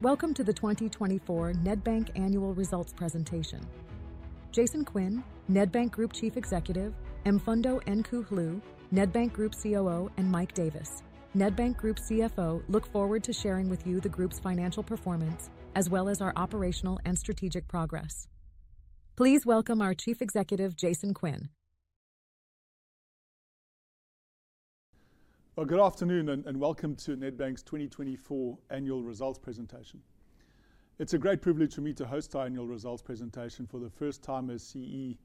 Welcome to the 2024 Nedbank Annual Results Presentation. Jason Quinn, Nedbank Group Chief Executive, Mfundo Nkuhlu, Nedbank Group COO, and Mike Davis, Nedbank Group CFO, look forward to sharing with you the Group's financial performance as well as our operational and strategic progress. Please welcome our Chief Executive, Jason Quinn. Good afternoon and welcome to Nedbank's 2024 Annual Results Presentation. It's a great privilege for me to host our Annual Results Presentation for the first time as CEO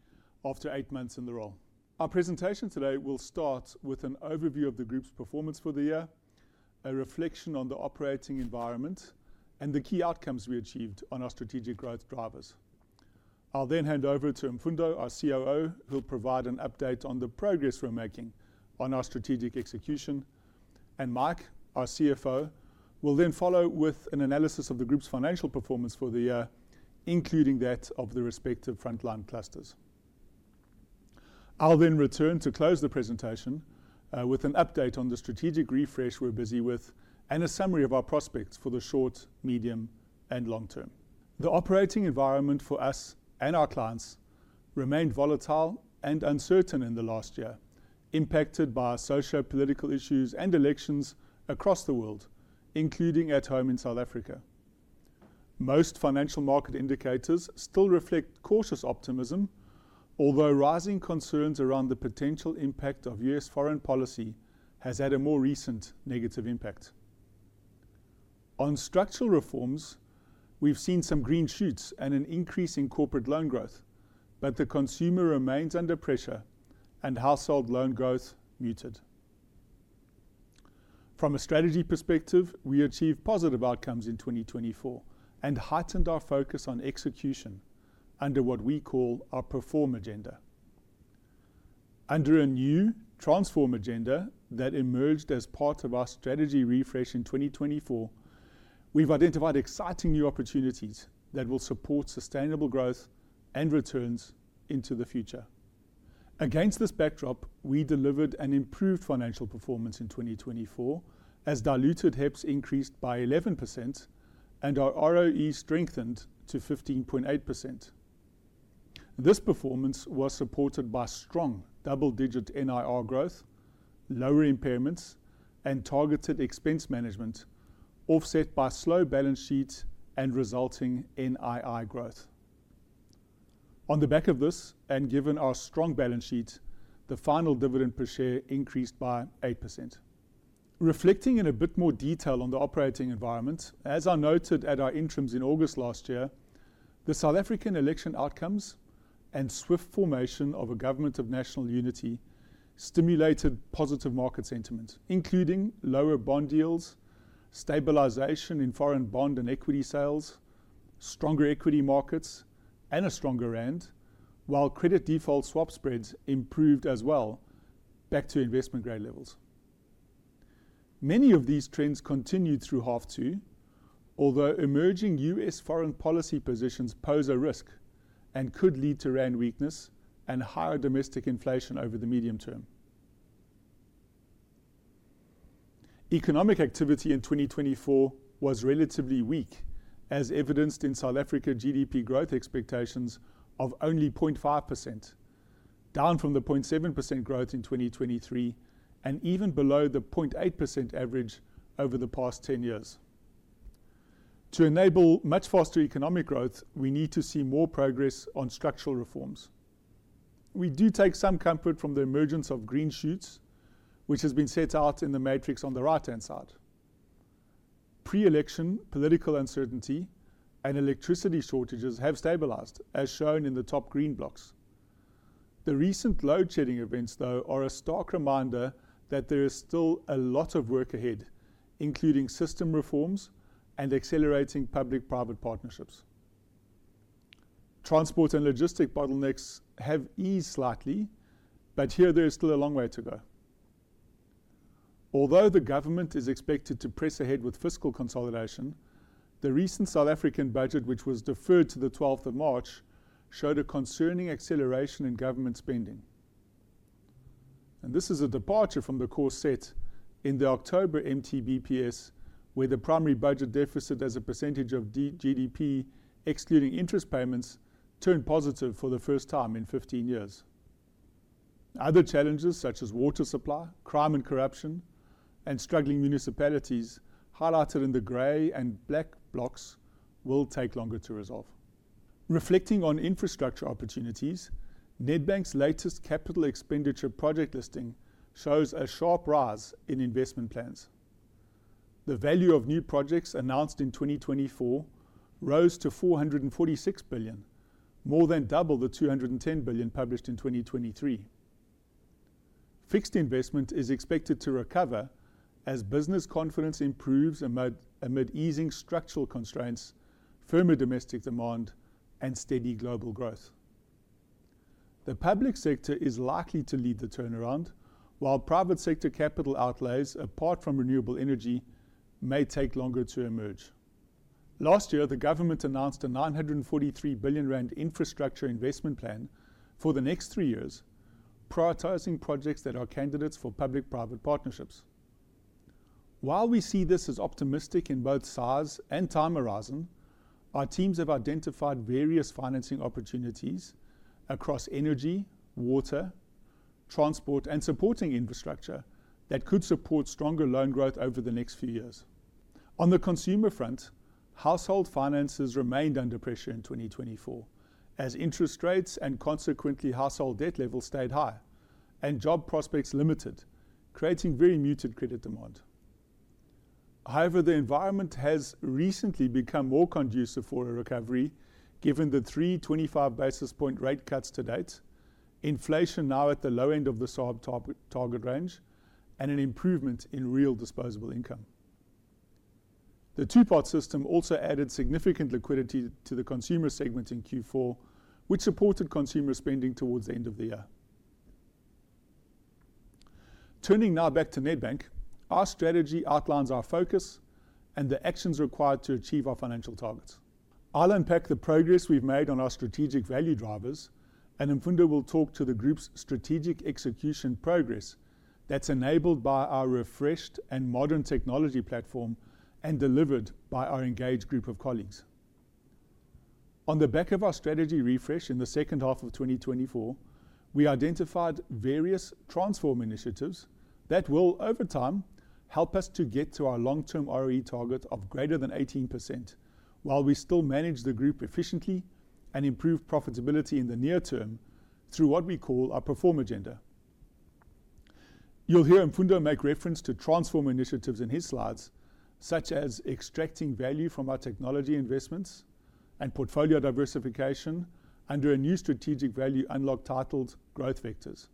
after eight months in the role. Our presentation today will start with an overview of the Group's performance for the year, a reflection on the operating environment, and the key outcomes we achieved on our strategic growth drivers. I'll then hand over to Mfundo, our COO, who'll provide an update on the progress we're making on our strategic execution, and Mike, our CFO, will then follow with an analysis of the Group's financial performance for the year, including that of the respective frontline clusters. I'll then return to close the presentation with an update on the strategic refresh we're busy with and a summary of our prospects for the short, medium, and long term. The operating environment for us and our clients remained volatile and uncertain in the last year, impacted by sociopolitical issues and elections across the world, including at home in South Africa. Most financial market indicators still reflect cautious optimism, although rising concerns around the potential impact of U.S. foreign policy have had a more recent negative impact. On structural reforms, we've seen some green shoots and an increase in corporate loan growth, but the consumer remains under pressure and household loan growth muted. From a strategy perspective, we achieved positive outcomes in 2024 and heightened our focus on execution under what we call our Perform Agenda. Under a new Transform Agenda that emerged as part of our strategy refresh in 2024, we've identified exciting new opportunities that will support sustainable growth and returns into the future. Against this backdrop, we delivered an improved financial performance in 2024 as diluted HEPS increased by 11% and our ROE strengthened to 15.8%. This performance was supported by strong double-digit NIR growth, lower impairments, and targeted expense management, offset by slow balance sheets and resulting NII growth. On the back of this and given our strong balance sheet, the final dividend per share increased by 8%. Reflecting in a bit more detail on the operating environment, as I noted at our interims in August last year, the South African election outcomes and swift formation of a Government of National Unity stimulated positive market sentiment, including lower bond yields, stabilization in foreign bond and equity sales, stronger equity markets, and a stronger rand, while credit default swap spreads improved as well, back to investment-grade levels. Many of these trends continued through half two, although emerging U.S. Foreign policy positions pose a risk and could lead to rand weakness and higher domestic inflation over the medium term. Economic activity in 2024 was relatively weak, as evidenced in South Africa's GDP growth expectations of only 0.5%, down from the 0.7% growth in 2023 and even below the 0.8% average over the past 10 years. To enable much faster economic growth, we need to see more progress on structural reforms. We do take some comfort from the emergence of green shoots, which has been set out in the matrix on the right-hand side. Pre-election political uncertainty and electricity shortages have stabilized, as shown in the top green blocks. The recent load-shedding events, though, are a stark reminder that there is still a lot of work ahead, including system reforms and accelerating public-private partnerships. Transport and logistics bottlenecks have eased slightly, but here there is still a long way to go. Although the government is expected to press ahead with fiscal consolidation, the recent South African budget, which was deferred to the 12th of March, showed a concerning acceleration in government spending. And this is a departure from the course set in the October MTBPS, where the primary budget deficit as a percentage of GDP, excluding interest payments, turned positive for the first time in 15 years. Other challenges, such as water supply, crime and corruption, and struggling municipalities, highlighted in the gray and black blocks, will take longer to resolve. Reflecting on infrastructure opportunities, Nedbank's latest capital expenditure project listing shows a sharp rise in investment plans. The value of new projects announced in 2024 rose to $446 billion, more than double the $210 billion published in 2023. Fixed investment is expected to recover as business confidence improves amid easing structural constraints, firmer domestic demand, and steady global growth. The public sector is likely to lead the turnaround, while private sector capital outlays, apart from renewable energy, may take longer to emerge. Last year, the government announced a $943 billion infrastructure investment plan for the next three years, prioritizing projects that are candidates for public-private partnerships. While we see this as optimistic in both size and time horizon, our teams have identified various financing opportunities across energy, water, transport, and supporting infrastructure that could support stronger loan growth over the next few years. On the consumer front, household finances remained under pressure in 2024, as interest rates and consequently household debt levels stayed high and job prospects limited, creating very muted credit demand. However, the environment has recently become more conducive for a recovery, given the three 25 basis point rate cuts to date, inflation now at the low end of the target range, and an improvement in real disposable income. The two-part system also added significant liquidity to the consumer segment in Q4, which supported consumer spending towards the end of the year. Turning now back to Nedbank, our strategy outlines our focus and the actions required to achieve our financial targets. I'll unpack the progress we've made on our strategic value drivers, and Mfundo will talk to the Group's strategic execution progress that's enabled by our refreshed and modern technology platform and delivered by our engaged Group of colleagues. On the back of our strategy refresh in the second half of 2024, we identified various Transform initiatives that will, over time, help us to get to our long-term ROE target of greater than 18% while we still manage the Group efficiently and improve profitability in the near term through what we call our Perform Agenda. You'll hear Mfundo make reference to Transform initiatives in his slides, such as extracting value from our technology investments and portfolio diversification under a new strategic value unlock titled Growth Vectors.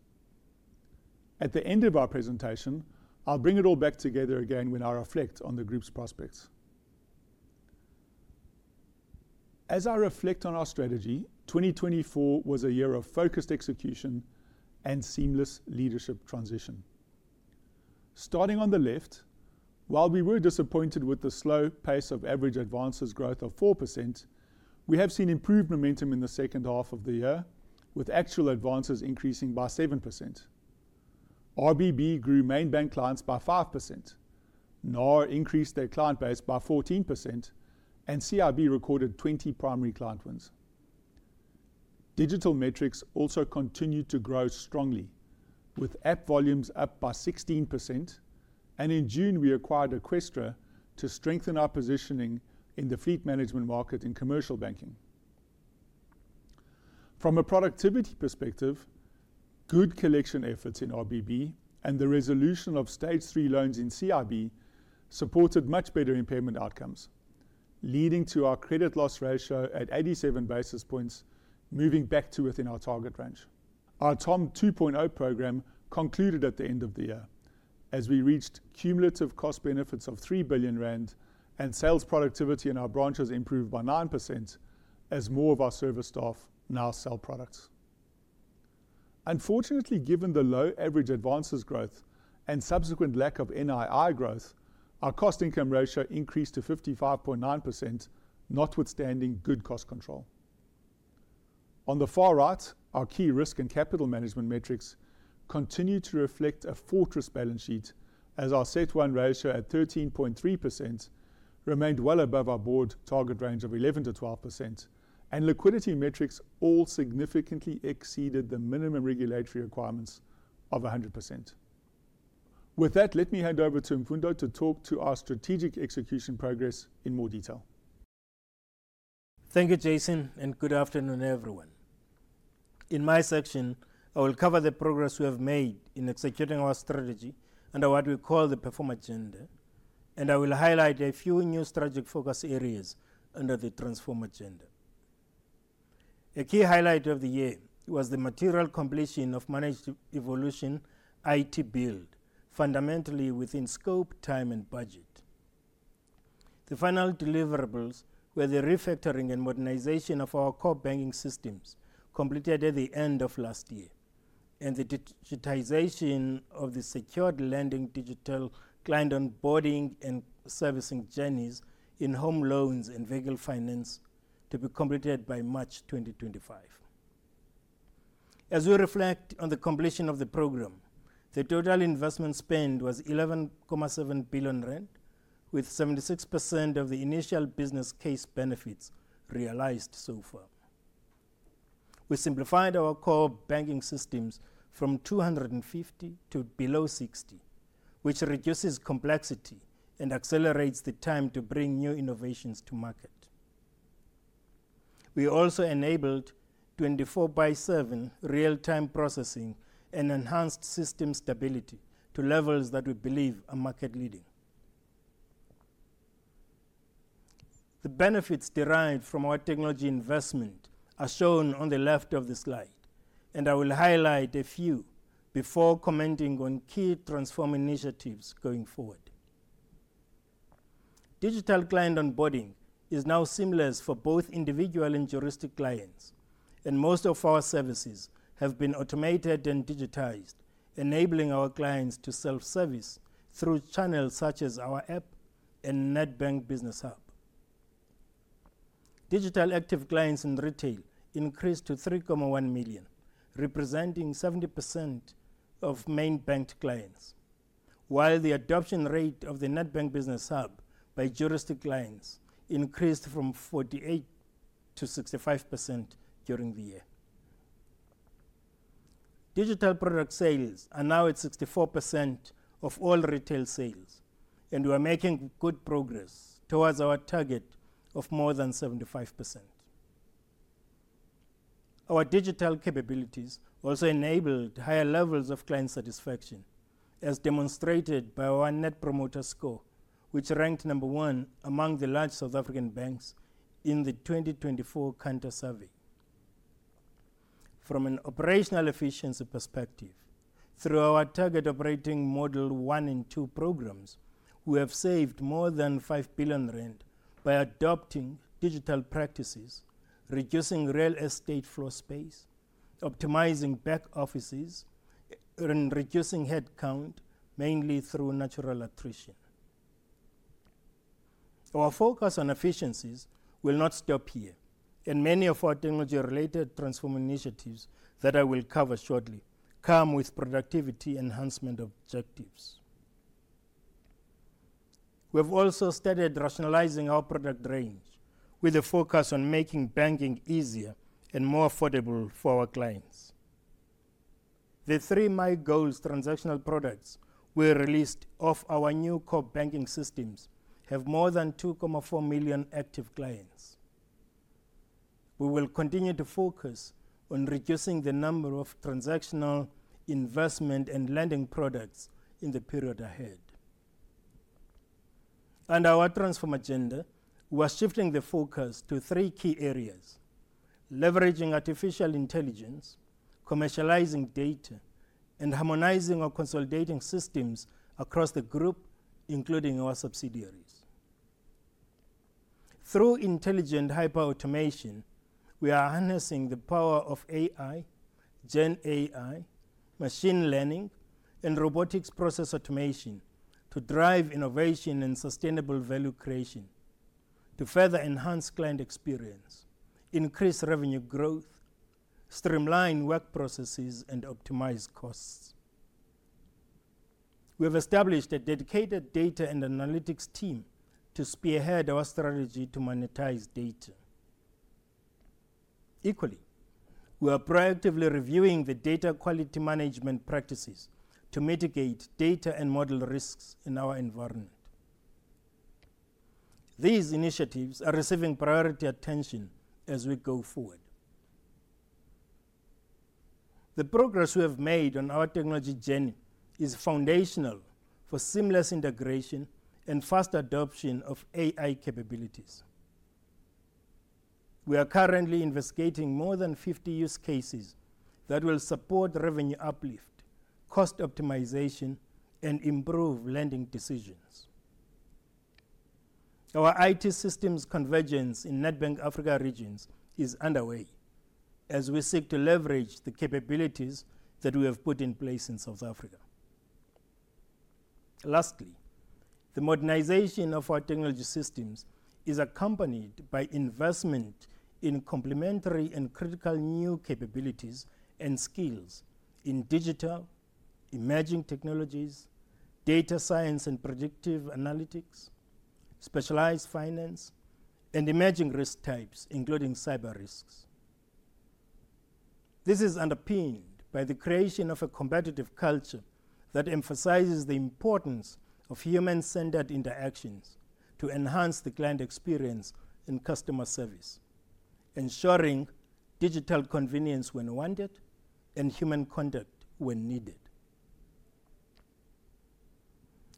At the end of our presentation, I'll bring it all back together again when I reflect on the Group's prospects. As I reflect on our strategy, 2024 was a year of focused execution and seamless leadership transition. Starting on the left, while we were disappointed with the slow pace of average advances growth of 4%, we have seen improved momentum in the second half of the year, with actual advances increasing by 7%. RBB grew main bank clients by 5%, NAR increased their client base by 14%, and CRB recorded 20 primary client wins. Digital metrics also continued to grow strongly, with app volumes up by 16%, and in June, we acquired Eqstra to strengthen our positioning in the fleet management market in commercial banking. From a productivity perspective, good collection efforts in RBB and the resolution of Stage 3 loans in CRB supported much better impairment outcomes, leading to our credit loss ratio at 87 basis points moving back to within our target range. Our TOM 2.0 program concluded at the end of the year as we reached cumulative cost benefits of 3 billion rand and sales productivity in our branches improved by 9% as more of our service staff now sell products. Unfortunately, given the low average advances growth and subsequent lack of NII growth, our cost income ratio increased to 55.9%, notwithstanding good cost control. On the far right, our key risk and capital management metrics continue to reflect a fortress balance sheet as our set one ratio at 13.3% remained well above our board target range of 11%-12%, and liquidity metrics all significantly exceeded the minimum regulatory requirements of 100%. With that, let me hand over to Mfundo to talk to our strategic execution progress in more detail. Thank you, Jason, and good afternoon, everyone. In my section, I will cover the progress we have made in executing our strategy under what we call the Perform Agenda, and I will highlight a few new strategic focus areas under the Transform Agenda. A key highlight of the year was the material completion of Managed Evolution IT build, fundamentally within scope, time, and budget. The final deliverables were the refactoring and modernization of our core banking systems completed at the end of last year, and the digitization of the secured lending digital client onboarding and servicing journeys in home loans and vehicle finance to be completed by March 2025. As we reflect on the completion of the program, the total investment spend was 11.7 billion rand, with 76% of the initial business case benefits realized so far. We simplified our core banking systems from 250 to below 60, which reduces complexity and accelerates the time to bring new innovations to market. We also enabled 24 by 7 real-time processing and enhanced system stability to levels that we believe are market-leading. The benefits derived from our technology investment are shown on the left of the slide, and I will highlight a few before commenting on key Transform initiatives going forward. Digital client onboarding is now seamless for both individual and juristic clients, and most of our services have been automated and digitized, enabling our clients to self-service through channels such as our app and Nedbank Business Hub. Digital active clients in retail increased to 3.1 million, representing 70% of main banked clients, while the adoption rate of the Nedbank Business Hub by juristic clients increased from 48%-65% during the year. Digital product sales are now at 64% of all retail sales, and we are making good progress towards our target of more than 75%. Our digital capabilities also enabled higher levels of client satisfaction, as demonstrated by our Net Promoter Score, which ranked number one among the large South African banks in the 2024 customer survey. From an operational efficiency perspective, through our Target Operating Model one and two programs, we have saved more than 5 billion rand by adopting digital practices, reducing real estate floor space, optimizing back offices, and reducing headcount mainly through natural attrition. Our focus on efficiencies will not stop here, and many of our technology-related Transform initiatives that I will cover shortly come with productivity enhancement objectives. We have also started rationalizing our product range with a focus on making banking easier and more affordable for our clients. The three My Goals transactional products we released off our new core banking systems have more than 2.4 million active clients. We will continue to focus on reducing the number of transactional investment and lending products in the period ahead. Under our Transform Agenda, we are shifting the focus to three key areas: leveraging artificial intelligence, commercializing data, and harmonizing or consolidating systems across the Group, including our subsidiaries. Through intelligent hyper-automation, we are harnessing the power of AI, GenAI, machine learning, and robotic process automation to drive innovation and sustainable value creation, to further enhance client experience, increase revenue growth, streamline work processes, and optimize costs. We have established a dedicated data and analytics team to spearhead our strategy to monetize data. Equally, we are proactively reviewing the data quality management practices to mitigate data and model risks in our environment. These initiatives are receiving priority attention as we go forward. The progress we have made on our technology journey is foundational for seamless integration and fast adoption of AI capabilities. We are currently investigating more than 50 use cases that will support revenue uplift, cost optimization, and improve lending decisions. Our IT systems convergence in Nedbank Africa Regions is underway as we seek to leverage the capabilities that we have put in place in South Africa. Lastly, the modernization of our technology systems is accompanied by investment in complementary and critical new capabilities and skills in digital, emerging technologies, data science and predictive analytics, specialized finance, and emerging risk types, including cyber risks. This is underpinned by the creation of a competitive culture that emphasizes the importance of human-centered interactions to enhance the client experience and customer service, ensuring digital convenience when wanted and human conduct when needed.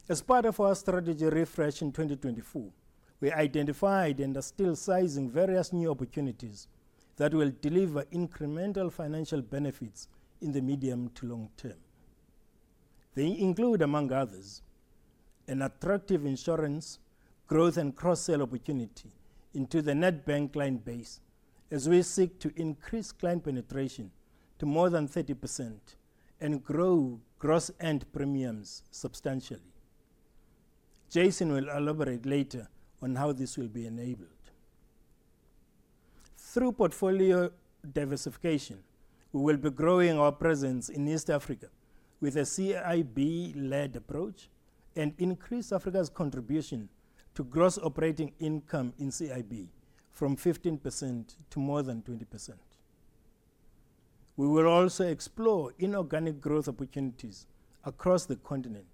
As part of our strategy refresh in 2024, we identified and are still sizing various new opportunities that will deliver incremental financial benefits in the medium to long term. They include, among others, an attractive insurance, growth, and cross-sale opportunity into the Nedbank client base as we seek to increase client penetration to more than 30% and grow gross end premiums substantially. Jason will elaborate later on how this will be enabled. Through portfolio diversification, we will be growing our presence in East Africa with a CIB-led approach and increase Africa's contribution to gross operating income in CIB from 15% to more than 20%. We will also explore inorganic growth opportunities across the continent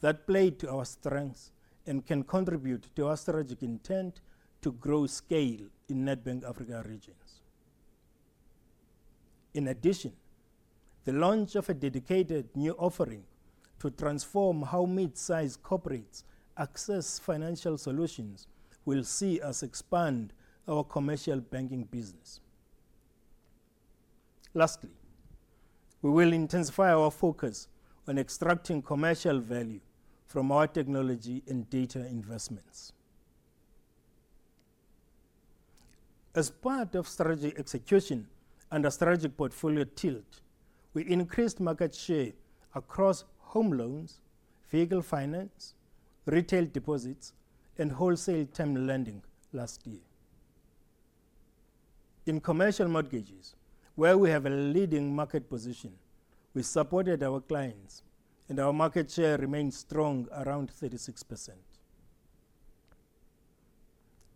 that play to our strengths and can contribute to our strategic intent to grow scale in Nedbank Africa Regions. In addition, the launch of a dedicated new offering to transform how mid-size corporates access financial solutions will see us expand our commercial banking business. Lastly, we will intensify our focus on extracting commercial value from our technology and data investments. As part of strategy execution under strategic portfolio tilt, we increased market share across home loans, vehicle finance, retail deposits, and wholesale term lending last year. In commercial mortgages, where we have a leading market position, we supported our clients, and our market share remained strong around 36%.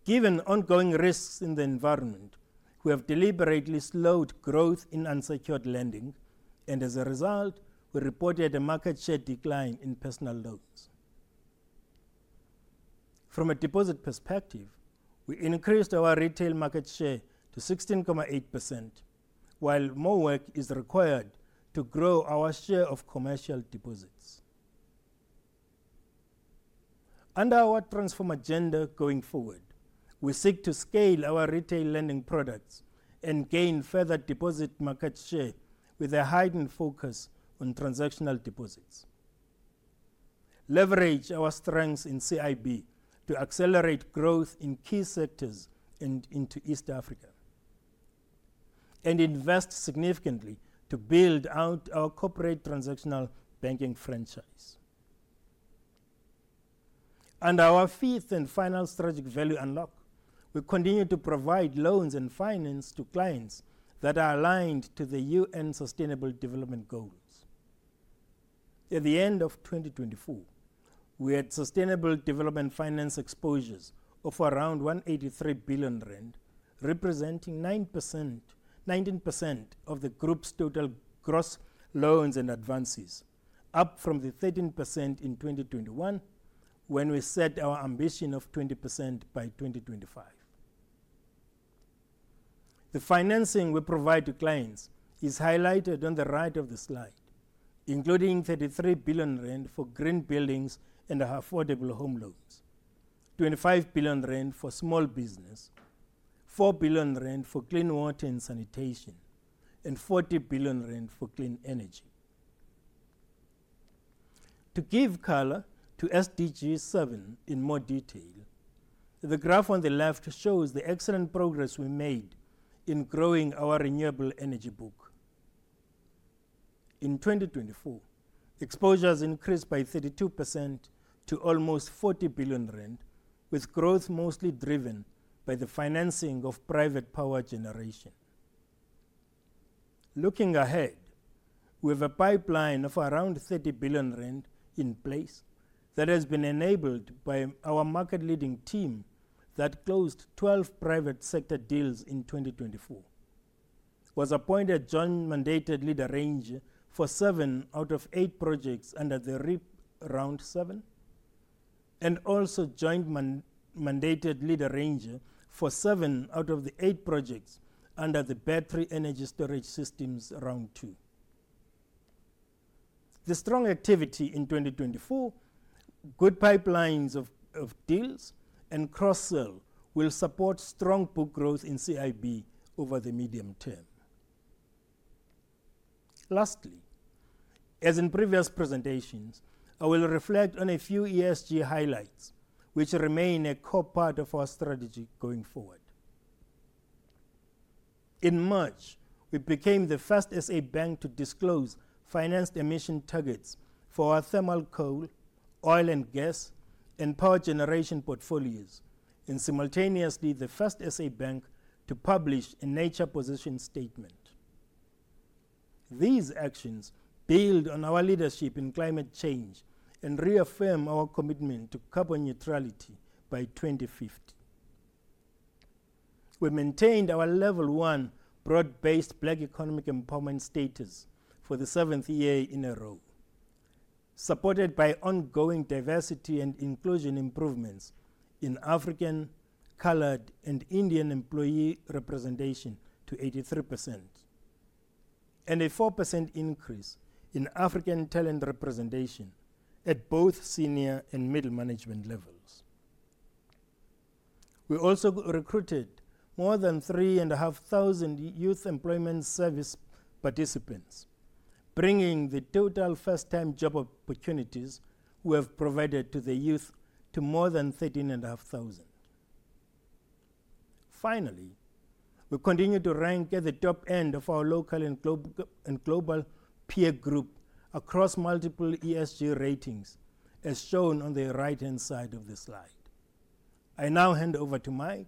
Given ongoing risks in the environment, we have deliberately slowed growth in unsecured lending, and as a result, we reported a market share decline in personal loans. From a deposit perspective, we increased our retail market share to 16.8%, while more work is required to grow our share of commercial deposits. Under our Transform Agenda going forward, we seek to scale our retail lending products and gain further deposit market share with a heightened focus on transactional deposits. Leverage our strengths in CIB to accelerate growth in key sectors and into East Africa, and invest significantly to build out our corporate transactional banking franchise. Under our fifth and final strategic value unlock, we continue to provide loans and finance to clients that are aligned to the UN Sustainable Development Goals. At the end of 2024, we had sustainable development finance exposures of around 183 billion rand, representing 19% of the Group's total gross loans and advances, up from the 13% in 2021 when we set our ambition of 20% by 2025. The financing we provide to clients is highlighted on the right of the slide, including 33 billion rand for green buildings and affordable home loans, 25 billion rand for small business, 4 billion rand for clean water and sanitation, and 40 billion rand for clean energy. To give color to SDG 7 in more detail, the graph on the left shows the excellent progress we made in growing our renewable energy book. In 2024, exposures increased by 32% to almost 40 billion rand, with growth mostly driven by the financing of private power generation. Looking ahead, we have a pipeline of around 30 billion rand in place that has been enabled by our market-leading team that closed 12 private sector deals in 2024, was appointed joint mandated lead arranger for seven out of eight projects under the REIPPPP Round 7, and also joint mandated lead arranger for seven out of the eight projects under the battery energy storage systems round two. The strong activity in 2024, good pipelines of deals and cross-sale will support strong book growth in CIB over the medium term. Lastly, as in previous presentations, I will reflect on a few ESG highlights, which remain a core part of our strategy going forward. In March, we became the first SA bank to disclose financed emissions targets for our thermal coal, oil and gas, and power generation portfolios, and simultaneously the first SA bank to publish a nature position statement. These actions build on our leadership in climate change and reaffirm our commitment to carbon neutrality by 2050. We maintained our level one Broad-Based Black Economic Empowerment status for the seventh year in a row, supported by ongoing diversity and inclusion improvements in African, colored, and Indian employee representation to 83%, and a 4% increase in African talent representation at both senior and middle management levels. We also recruited more than 3,500 Youth Employment Service participants, bringing the total first-time job opportunities we have provided to the youth to more than 13,500. Finally, we continue to rank at the top end of our local and global peer Group across multiple ESG ratings, as shown on the right-hand side of the slide. I now hand over to Mike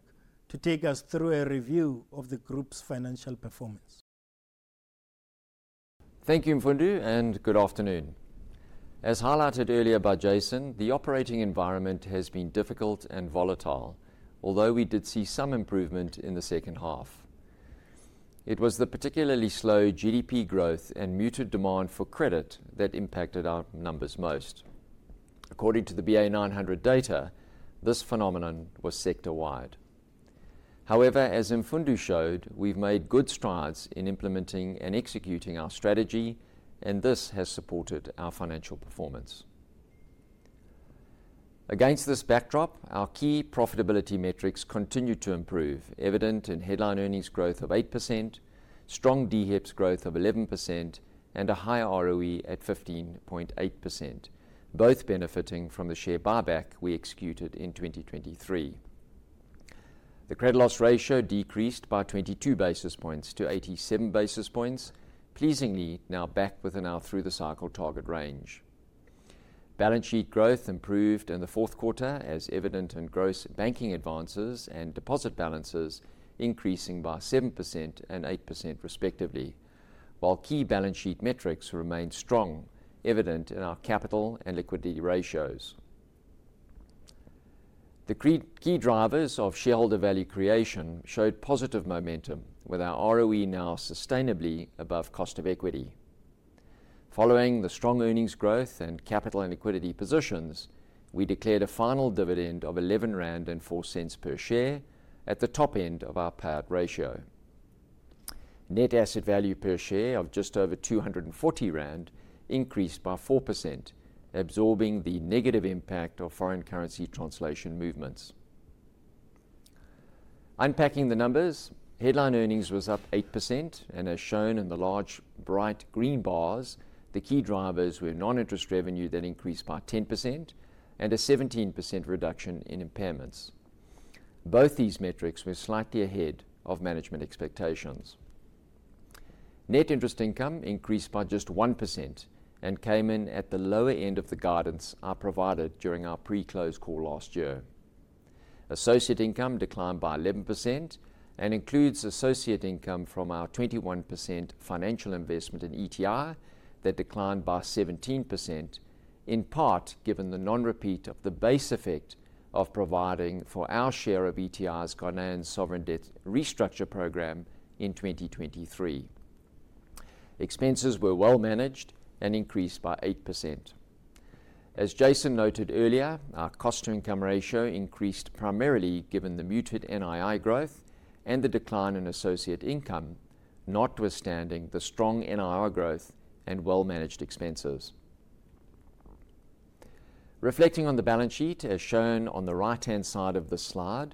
to take us through a review of the Group's financial performance. Thank you, Mfundo, and good afternoon. As highlighted earlier by Jason, the operating environment has been difficult and volatile, although we did see some improvement in the second half. It was the particularly slow GDP growth and muted demand for credit that impacted our numbers most. According to the BA900 data, this phenomenon was sector-wide. However, as Mfundo showed, we've made good strides in implementing and executing our strategy, and this has supported our financial performance. Against this backdrop, our key profitability metrics continue to improve, evident in headline earnings growth of 8%, strong DHEPS growth of 11%, and a higher ROE at 15.8%, both benefiting from the share buyback we executed in 2023. The credit loss ratio decreased by 22 basis points to 87 basis points, pleasingly now back within our through-the-cycle target range. Balance sheet growth improved in the fourth quarter, as evident in gross banking advances and deposit balances increasing by 7% and 8% respectively, while key balance sheet metrics remained strong, evident in our capital and liquidity ratios. The key drivers of shareholder value creation showed positive momentum, with our ROE now sustainably above cost of equity. Following the strong earnings growth and capital and liquidity positions, we declared a final dividend of 11.04 rand per share at the top end of our payout ratio. Net asset value per share of just over 240 rand increased by 4%, absorbing the negative impact of foreign currency translation movements. Unpacking the numbers, headline earnings was up 8%, and as shown in the large bright green bars, the key drivers were non-interest revenue that increased by 10% and a 17% reduction in impairments. Both these metrics were slightly ahead of management expectations. Net interest income increased by just 1% and came in at the lower end of the guidance provided during our pre-close call last year. Associate income declined by 11% and includes associate income from our 21% financial investment in ETR that declined by 17%, in part given the non-repeat of the base effect of providing for our share of ETR's Ghanaian sovereign debt restructure program in 2023. Expenses were well managed and increased by 8%. As Jason noted earlier, our cost-to-income ratio increased primarily given the muted NII growth and the decline in associate income, notwithstanding the strong NIR growth and well-managed expenses. Reflecting on the balance sheet, as shown on the right-hand side of the slide,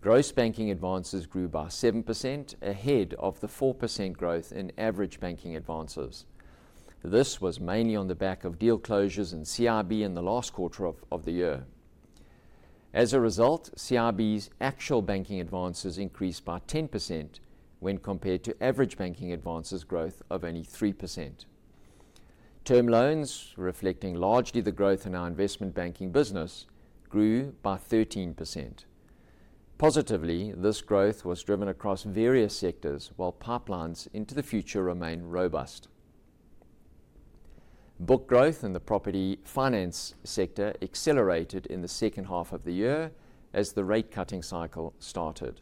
gross banking advances grew by 7% ahead of the 4% growth in average banking advances. This was mainly on the back of deal closures in CRB in the last quarter of the year. As a result, CRB's actual banking advances increased by 10% when compared to average banking advances growth of only 3%. Term loans, reflecting largely the growth in our investment banking business, grew by 13%. Positively, this growth was driven across various sectors, while pipelines into the future remain robust. Book growth in the property finance sector accelerated in the second half of the year as the rate-cutting cycle started.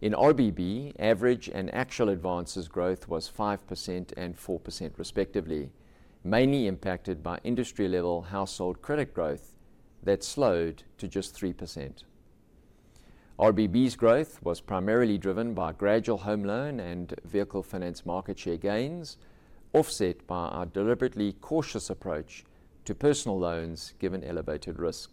In OBB, average and actual advances growth was 5% and 4% respectively, mainly impacted by industry-level household credit growth that slowed to just 3%. RBB's growth was primarily driven by gradual home loan and vehicle finance market share gains, offset by our deliberately cautious approach to personal loans given elevated risk.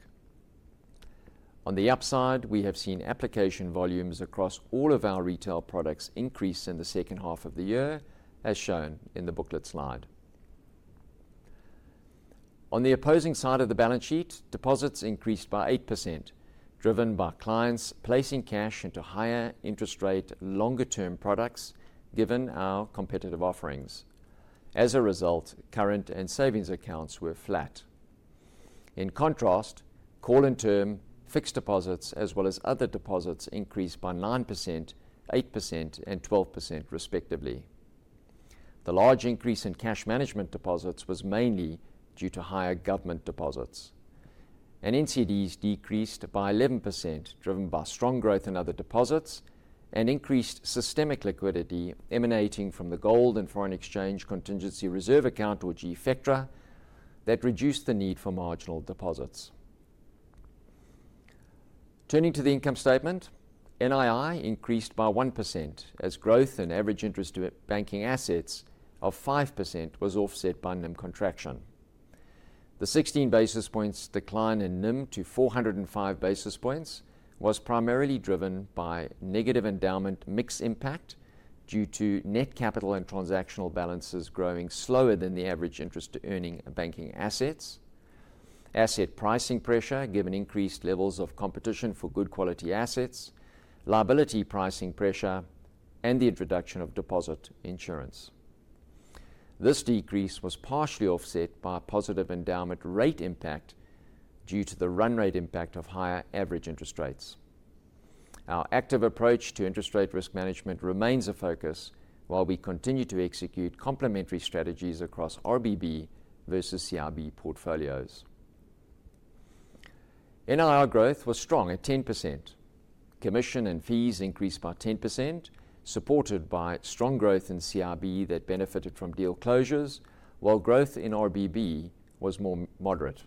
On the upside, we have seen application volumes across all of our retail products increase in the second half of the year, as shown in the booklet slide. On the opposing side of the balance sheet, deposits increased by 8%, driven by clients placing cash into higher interest-rate longer-term products given our competitive offerings. As a result, current and savings accounts were flat. In contrast, call and term fixed deposits, as well as other deposits, increased by 9%, 8%, and 12% respectively. The large increase in cash management deposits was mainly due to higher government deposits, and NCDs decreased by 11%, driven by strong growth in other deposits and increased systemic liquidity emanating from the gold and foreign exchange contingency reserve account, or GFECRA, that reduced the need for marginal deposits. Turning to the income statement, NII increased by 1% as growth in average interest banking assets of 5% was offset by NIM contraction. The 16 basis points decline in NIM to 405 basis points was primarily driven by negative endowment mix impact due to net capital and transactional balances growing slower than the average interest-earning banking assets, asset pricing pressure given increased levels of competition for good quality assets, liability pricing pressure, and the introduction of deposit insurance. This decrease was partially offset by positive endowment rate impact due to the run rate impact of higher average interest rates. Our active approach to interest rate risk management remains a focus while we continue to execute complementary strategies across RBB versus CRB portfolios. NIR growth was strong at 10%. Commission and fees increased by 10%, supported by strong growth in CRB that benefited from deal closures, while growth in RBB was more moderate.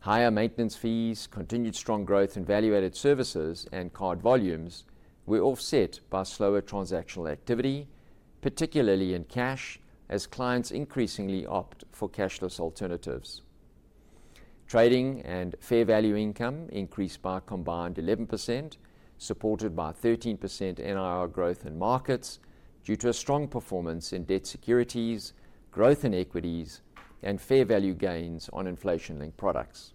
Higher maintenance fees, continued strong growth in value-added services, and card volumes were offset by slower transactional activity, particularly in cash, as clients increasingly opt for cashless alternatives. Trading and fair value income increased by combined 11%, supported by 13% NIR growth in markets due to strong performance in debt securities, growth in equities, and fair value gains on inflation-linked products.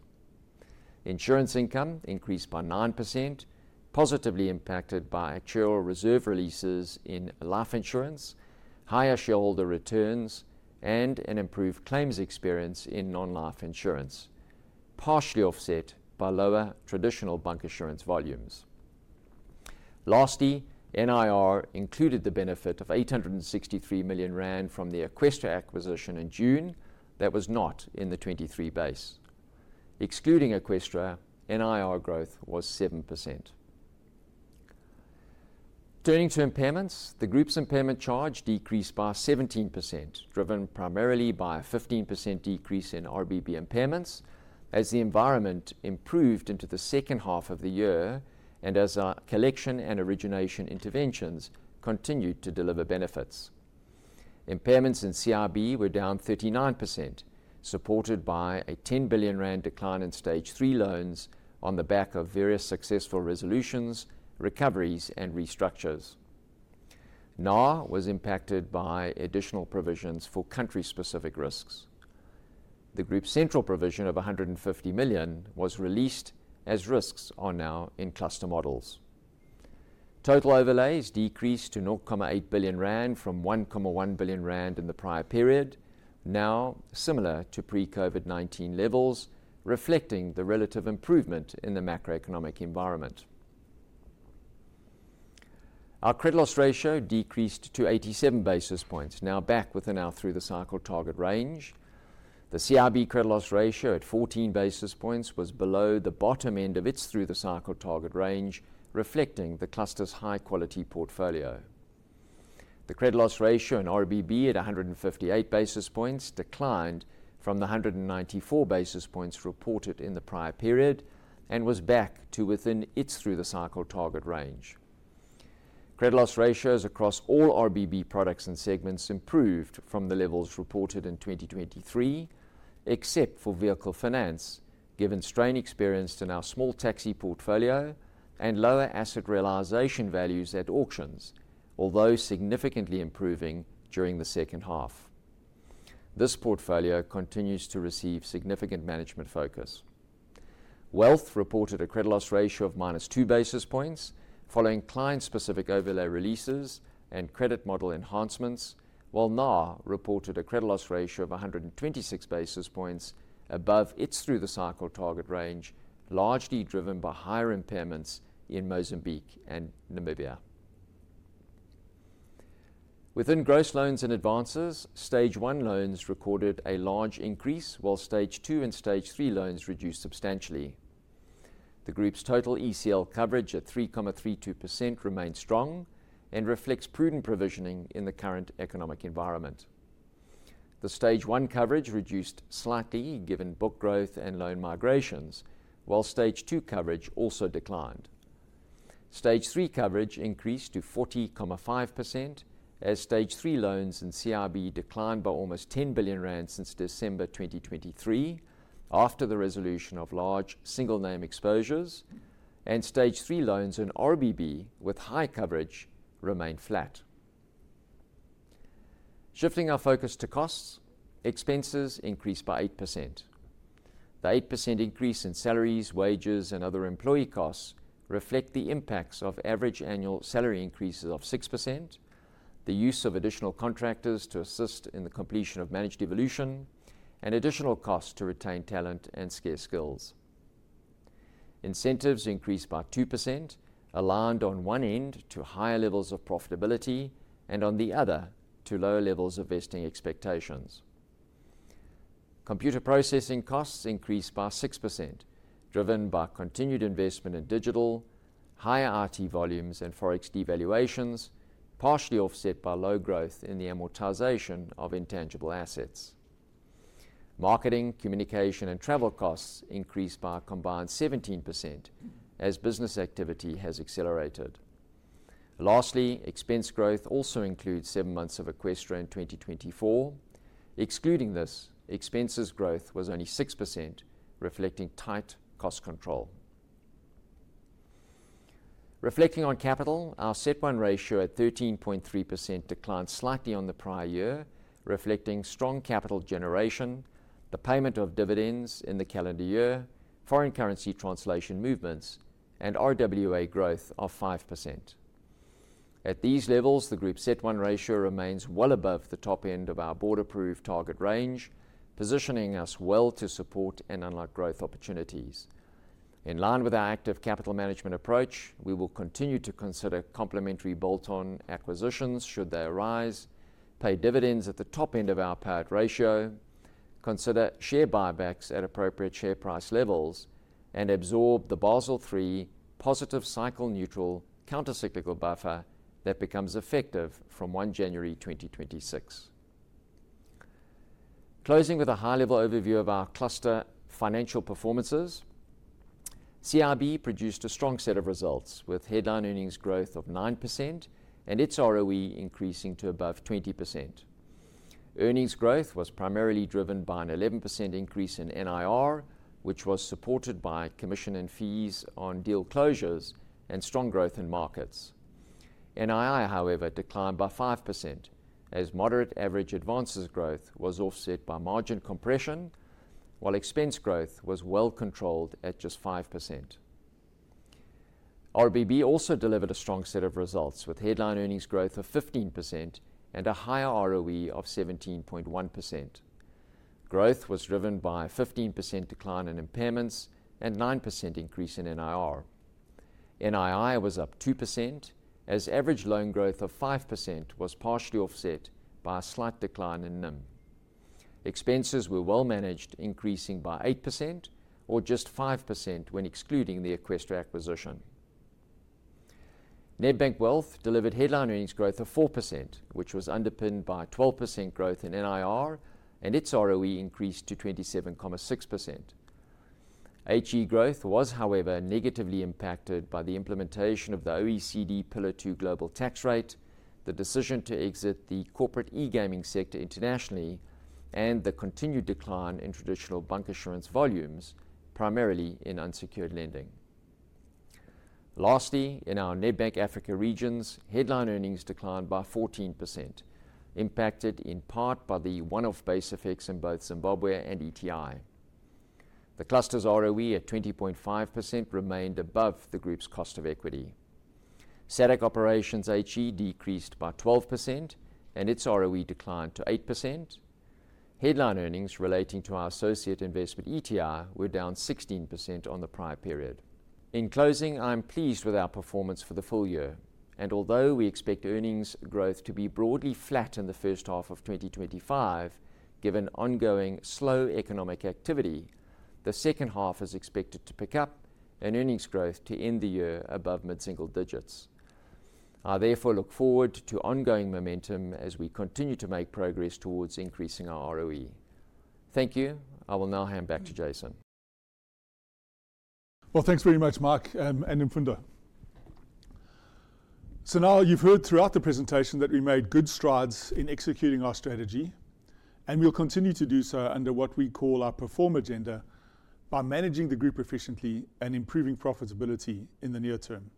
Insurance income increased by 9%, positively impacted by accrual reserve releases in life insurance, higher shareholder returns, and an improved claims experience in non-life insurance, partially offset by lower traditional bank assurance volumes. Lastly, NIR included the benefit of 863 million rand from the Eqstra acquisition in June that was not in the 2023 base. Excluding Eqstra, NIR growth was 7%. Turning to impairments, the Group's impairment charge decreased by 17%, driven primarily by a 15% decrease in RBB impairments as the environment improved into the second half of the year and as our collection and origination interventions continued to deliver benefits. Impairments in CRB were down 39%, supported by a 10 billion rand decline in stage three loans on the back of various successful resolutions, recoveries, and restructures. NAR was impacted by additional provisions for country-specific risks. The Group's central provision of 150 million was released as risks are now in cluster models. Total overlays decreased to 0.8 billion rand from 1.1 billion rand in the prior period, now similar to pre-COVID-19 levels, reflecting the relative improvement in the macroeconomic environment. Our credit loss ratio decreased to 87 basis points, now back within our through-the-cycle target range. The CRB credit loss ratio at 14 basis points was below the bottom end of its through-the-cycle target range, reflecting the cluster's high-quality portfolio. The credit loss ratio in RBB at 158 basis points declined from the 194 basis points reported in the prior period and was back to within its through-the-cycle target range. Credit loss ratios across all RBB products and segments improved from the levels reported in 2023, except for vehicle finance, given strain experienced in our small taxi portfolio and lower asset realization values at auctions, although significantly improving during the second half. This portfolio continues to receive significant management focus. Wealth reported a credit loss ratio of minus two basis points following client-specific overlay releases and credit model enhancements, while NAR reported a credit loss ratio of 126 basis points above its through-the-cycle target range, largely driven by higher impairments in Mozambique and Namibia. Within gross loans and advances, stage one loans recorded a large increase, while stage two and stage three loans reduced substantially. The Group's total ECL coverage at 3.32% remains strong and reflects prudent provisioning in the current economic environment. The stage one coverage reduced slightly given book growth and loan migrations, while stage two coverage also declined. Stage three coverage increased to 40.5% as stage three loans in CRB declined by almost 10 billion rand since December 2023 after the resolution of large single-name exposures, and stage three loans in RBB with high coverage remained flat. Shifting our focus to costs, expenses increased by 8%. The 8% increase in salaries, wages, and other employee costs reflect the impacts of average annual salary increases of 6%, the use of additional contractors to assist in the completion of Managed Evolution, and additional costs to retain talent and skills. Incentives increased by 2%, aligned on one end to higher levels of profitability and on the other to lower levels of vesting expectations. Computer processing costs increased by 6%, driven by continued investment in digital, higher RT volumes and forex devaluations, partially offset by low growth in the amortization of intangible assets. Mikeeting, communication, and travel costs increased by a combined 17% as business activity has accelerated. Lastly, expense growth also includes seven months of Eqstra in 2024. Excluding this, expenses growth was only 6%, reflecting tight cost control. Reflecting on capital, our CET1 ratio at 13.3% declined slightly on the prior year, reflecting strong capital generation, the payment of dividends in the calendar year, foreign currency translation movements, and OWA growth of 5%. At these levels, the Group's set one ratio remains well above the top end of our board-approved target range, positioning us well to support and unlock growth opportunities. In line with our active capital management approach, we will continue to consider complementary bolt-on acquisitions should they arise, pay dividends at the top end of our payout ratio, consider share buybacks at appropriate share price levels, and absorb the Basel III countercyclical buffer that becomes effective from 1 January 2026. Closing with a high-level overview of our cluster financial performances, CRB produced a strong set of results with headline earnings growth of 9% and its ROE increasing to above 20%. Earnings growth was primarily driven by an 11% increase in NIR, which was supported by commission and fees on deal closures and strong growth in markets. NII, however, declined by 5% as moderate average advances growth was offset by margin compression, while expense growth was well controlled at just 5%. RBB also delivered a strong set of results with headline earnings growth of 15% and a higher ROE of 17.1%. Growth was driven by a 15% decline in impairments and a 9% increase in NIR. NII was up 2% as average loan growth of 5% was partially offset by a slight decline in NIM. Expenses were well managed, increasing by 8% or just 5% when excluding the Eqstra acquisition. Nedbank Wealth delivered headline earnings growth of 4%, which was underpinned by a 12% growth in NIR, and its ROE increased to 27.6%. HG Growth was, however, negatively impacted by the implementation of the OECD Pillar II Global Tax Rate, the decision to exit the corporate e-gaming sector internationally, and the continued decline in traditional bancassurance volumes, primarily in unsecured lending. Lastly, in our Nedbank Africa regions, headline earnings declined by 14%, impacted in part by the one-off base effects in both Zimbabwe and ETI. The cluster's ROE at 20.5% remained above the Group's cost of equity. SADC Operations HG decreased by 12%, and its ROE declined to 8%. Headline earnings relating to our associate investment ETR were down 16% on the prior period. In closing, I'm pleased with our performance for the full year. Although we expect earnings growth to be broadly flat in the first half of 2025, given ongoing slow economic activity, the second half is expected to pick up and earnings growth to end the year above mid-single digits. I therefore look forward to ongoing momentum as we continue to make progress towards increasing our ROE. Thank you. I will now hand back to Jason. Well, thanks very much, Mike and Mfundo. So now you've heard throughout the presentation that we made good strides in executing our strategy, and we'll continue to do so under what we call our Perform Agenda by managing the Group efficiently and improving profitability in the near term.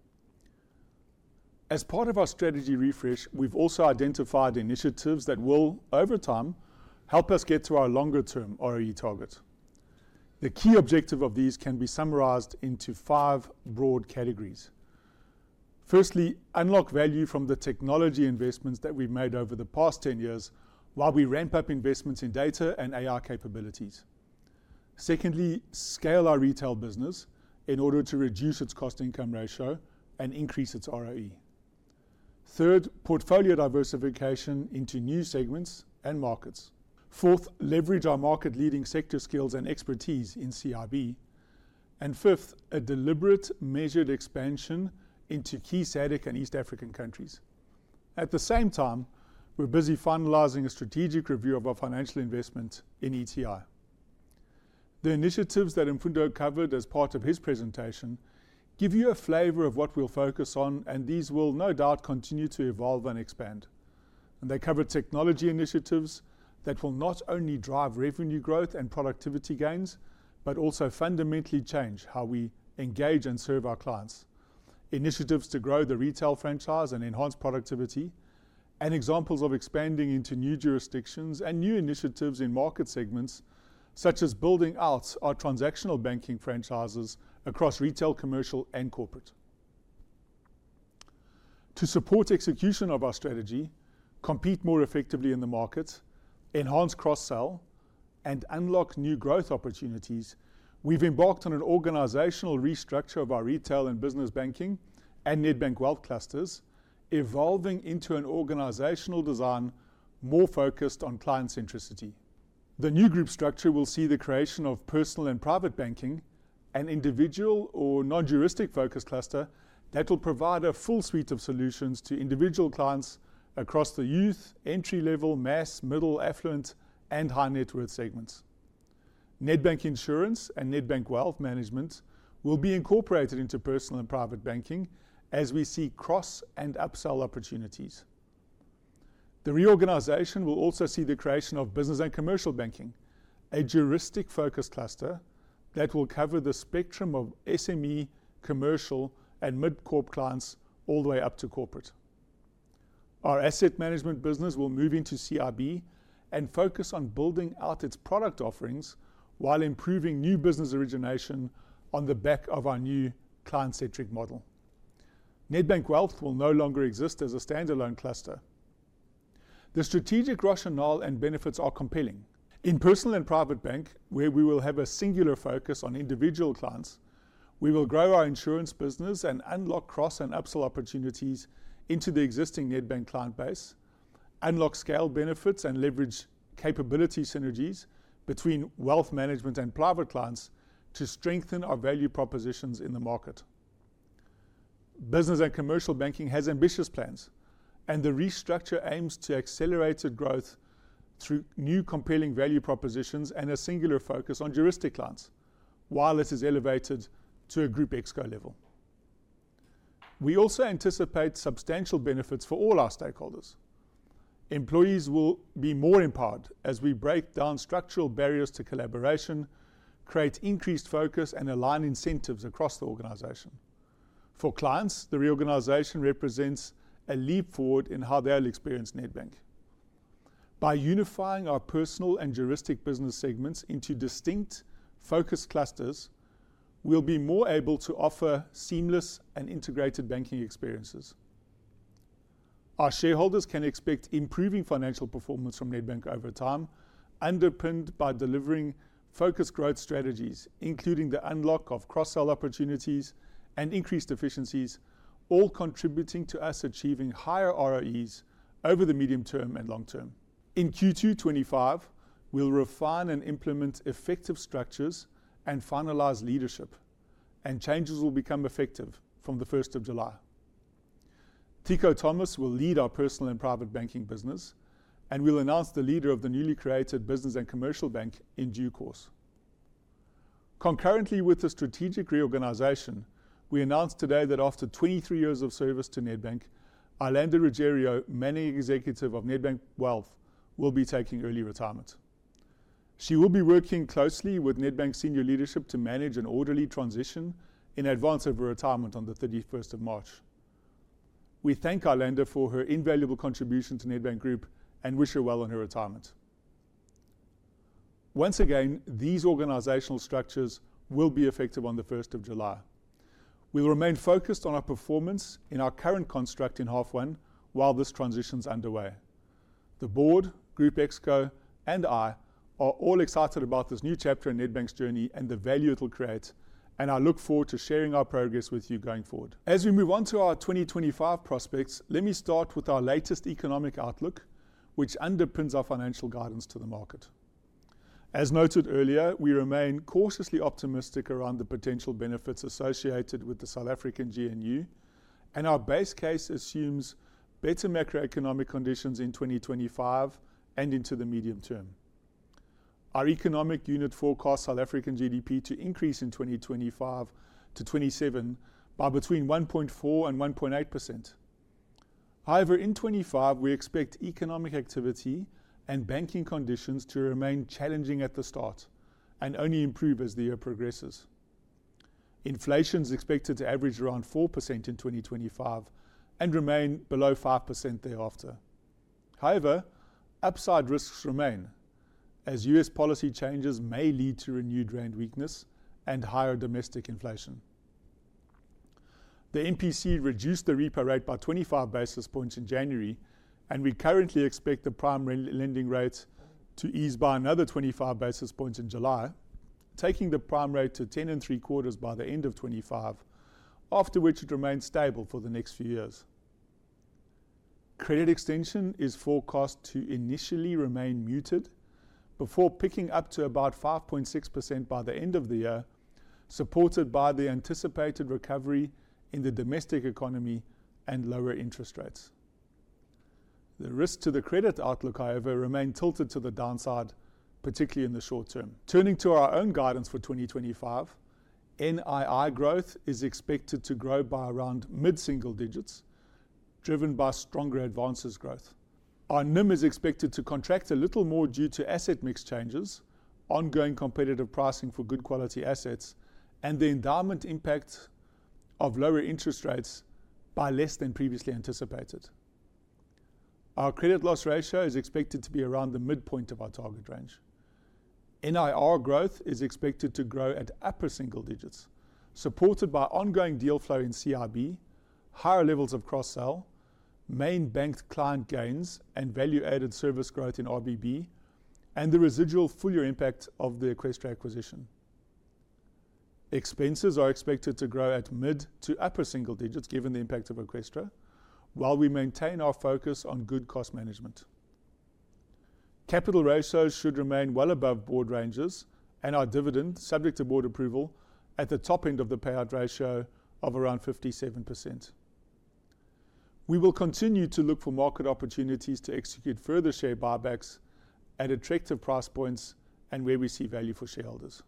As part of our strategy refresh, we've also identified initiatives that will, over time, help us get to our longer-term ROE target. The key objective of these can be summarized into five broad categories. Firstly, unlock value from the technology investments that we've made over the past 10 years while we ramp up investments in data and AR capabilities. Secondly, scale our retail business in order to reduce its cost-income ratio and increase its ROE. Third, portfolio diversification into new segments and markets. Fourth, leverage our market-leading sector skills and expertise in CRB. And fifth, a deliberate measured expansion into key SADC and East African countries. At the same time, we're busy finalizing a strategic review of our financial investments in ETR. The initiatives that Mfundo covered as part of his presentation give you a flavor of what we'll focus on, and these will no doubt continue to evolve and expand. They cover technology initiatives that will not only drive revenue growth and productivity gains but also fundamentally change how we engage and serve our clients. Initiatives to grow the retail franchise and enhance productivity, and examples of expanding into new jurisdictions and new initiatives in market segments such as building out our transactional banking franchises across retail, commercial, and corporate. To support execution of our strategy, compete more effectively in the markets, enhance cross-sell, and unlock new growth opportunities, we've embarked on an organizational restructure of our retail and business banking and Nedbank Wealth clusters, evolving into an organizational design more focused on client-centricity. The new Group structure will see the creation of Personal and Private Banking, an individual or non-juristic focus cluster that will provide a full suite of solutions to individual clients across the youth, entry-level, mass, middle, affluent, and high-net-worth segments. Nedbank Insurance and Nedbank Wealth Management will be incorporated into Personal and Private Banking as we see cross and upsell opportunities. The reorganization will also see the creation of business and commercial banking, a juristic-focused cluster that will cover the spectrum of SME, commercial, and mid-corp clients all the way up to corporate. Our asset management business will move into CRB and focus on building out its product offerings while improving new business origination on the back of our new client-centric model. Nedbank Wealth will no longer exist as a standalone cluster. The strategic rationale and benefits are compelling. In personal and private bank, where we will have a singular focus on individual clients, we will grow our insurance business and unlock cross and upsell opportunities into the existing Nedbank client base, unlock scale benefits and leverage capability synergies between wealth management and private clients to strengthen our value propositions in the market. Business and commercial banking has ambitious plans, and the restructure aims to accelerate growth through new compelling value propositions and a singular focus on juristic clients, while it is elevated to a Group Exco level. We also anticipate substantial benefits for all our stakeholders. Employees will be more empowered as we break down structural barriers to collaboration, create increased focus, and align incentives across the organization. For clients, the reorganization represents a leap forward in how they'll experience Nedbank. By unifying our personal and juristic business segments into distinct focus clusters, we'll be more able to offer seamless and integrated banking experiences. Our shareholders can expect improving financial performance from Nedbank over time, underpinned by delivering focused growth strategies, including the unlock of cross-sell opportunities and increased efficiencies, all contributing to us achieving higher ROEs over the medium term and long term. In Q2 '25, we'll refine and implement effective structures and finalize leadership, and changes will become effective from the 1st of July. Tiko Thomas will lead our personal and private banking business, and we'll announce the leader of the newly created business and commercial bank in due course. Concurrently with the strategic reorganization, we announced today that after 23 years of service to Nedbank, Iolanda Ruggiero, Managing Executive of Nedbank Wealth, will be taking early retirement. She will be working closely with Nedbank senior leadership to manage an orderly transition in advance of her retirement on the 31st of March. We thank Iolanda for her invaluable contribution to Nedbank Group and wish her well on her retirement. Once again, these organizational structures will be effective on the 1st of July. We'll remain focused on our performance in our current construct in half one while this transition's underway. The board, Group Exco, and I are all excited about this new chapter in Nedbank's journey and the value it'll create, and I look forward to sharing our progress with you going forward. As we move on to our 2025 prospects, let me start with our latest economic outlook, which underpins our financial guidance to the market. As noted earlier, we remain cautiously optimistic around the potential benefits associated with the South African GNU, and our base case assumes better macroeconomic conditions in 2025 and into the medium term. Our economic unit forecasts South African GDP to increase in 2025 to 2027 by between 1.4% and 1.8%. However, in 2025, we expect economic activity and banking conditions to remain challenging at the start and only improve as the year progresses. Inflation is expected to average around 4% in 2025 and remain below 5% thereafter. However, upside risks remain as US policy changes may lead to renewed rand weakness and higher domestic inflation. The MPC reduced the repo rate by 25 basis points in January, and we currently expect the prime lending rate to ease by another 25 basis points in July, taking the prime rate to 10.75 by the end of 2025, after which it remains stable for the next few years. Credit extension is forecast to initially remain muted before picking up to about 5.6% by the end of the year, supported by the anticipated recovery in the domestic economy and lower interest rates. The risk to the credit outlook, however, remains tilted to the downside, particularly in the short term. Turning to our own guidance for 2025, NII growth is expected to grow by around mid-single digits, driven by stronger advances growth. Our NIM is expected to contract a little more due to asset mix changes, ongoing competitive pricing for good quality assets, and the endowment impact of lower interest rates by less than previously anticipated. Our credit loss ratio is expected to be around the midpoint of our target range. NIR growth is expected to grow at upper single digits, supported by ongoing deal flow in CRB, higher levels of cross-sell, main bank client gains, and value-added service growth in RBB, and the residual full-year impact of the Eqstra acquisition. Expenses are expected to grow at mid to upper single digits given the impact of Eqstra, while we maintain our focus on good cost management. Capital ratios should remain well above board ranges and our dividend, subject to board approval, at the top end of the payout ratio of around 57%. We will continue to look for market opportunities to execute further share buybacks at attractive price points and where we see value for shareholders.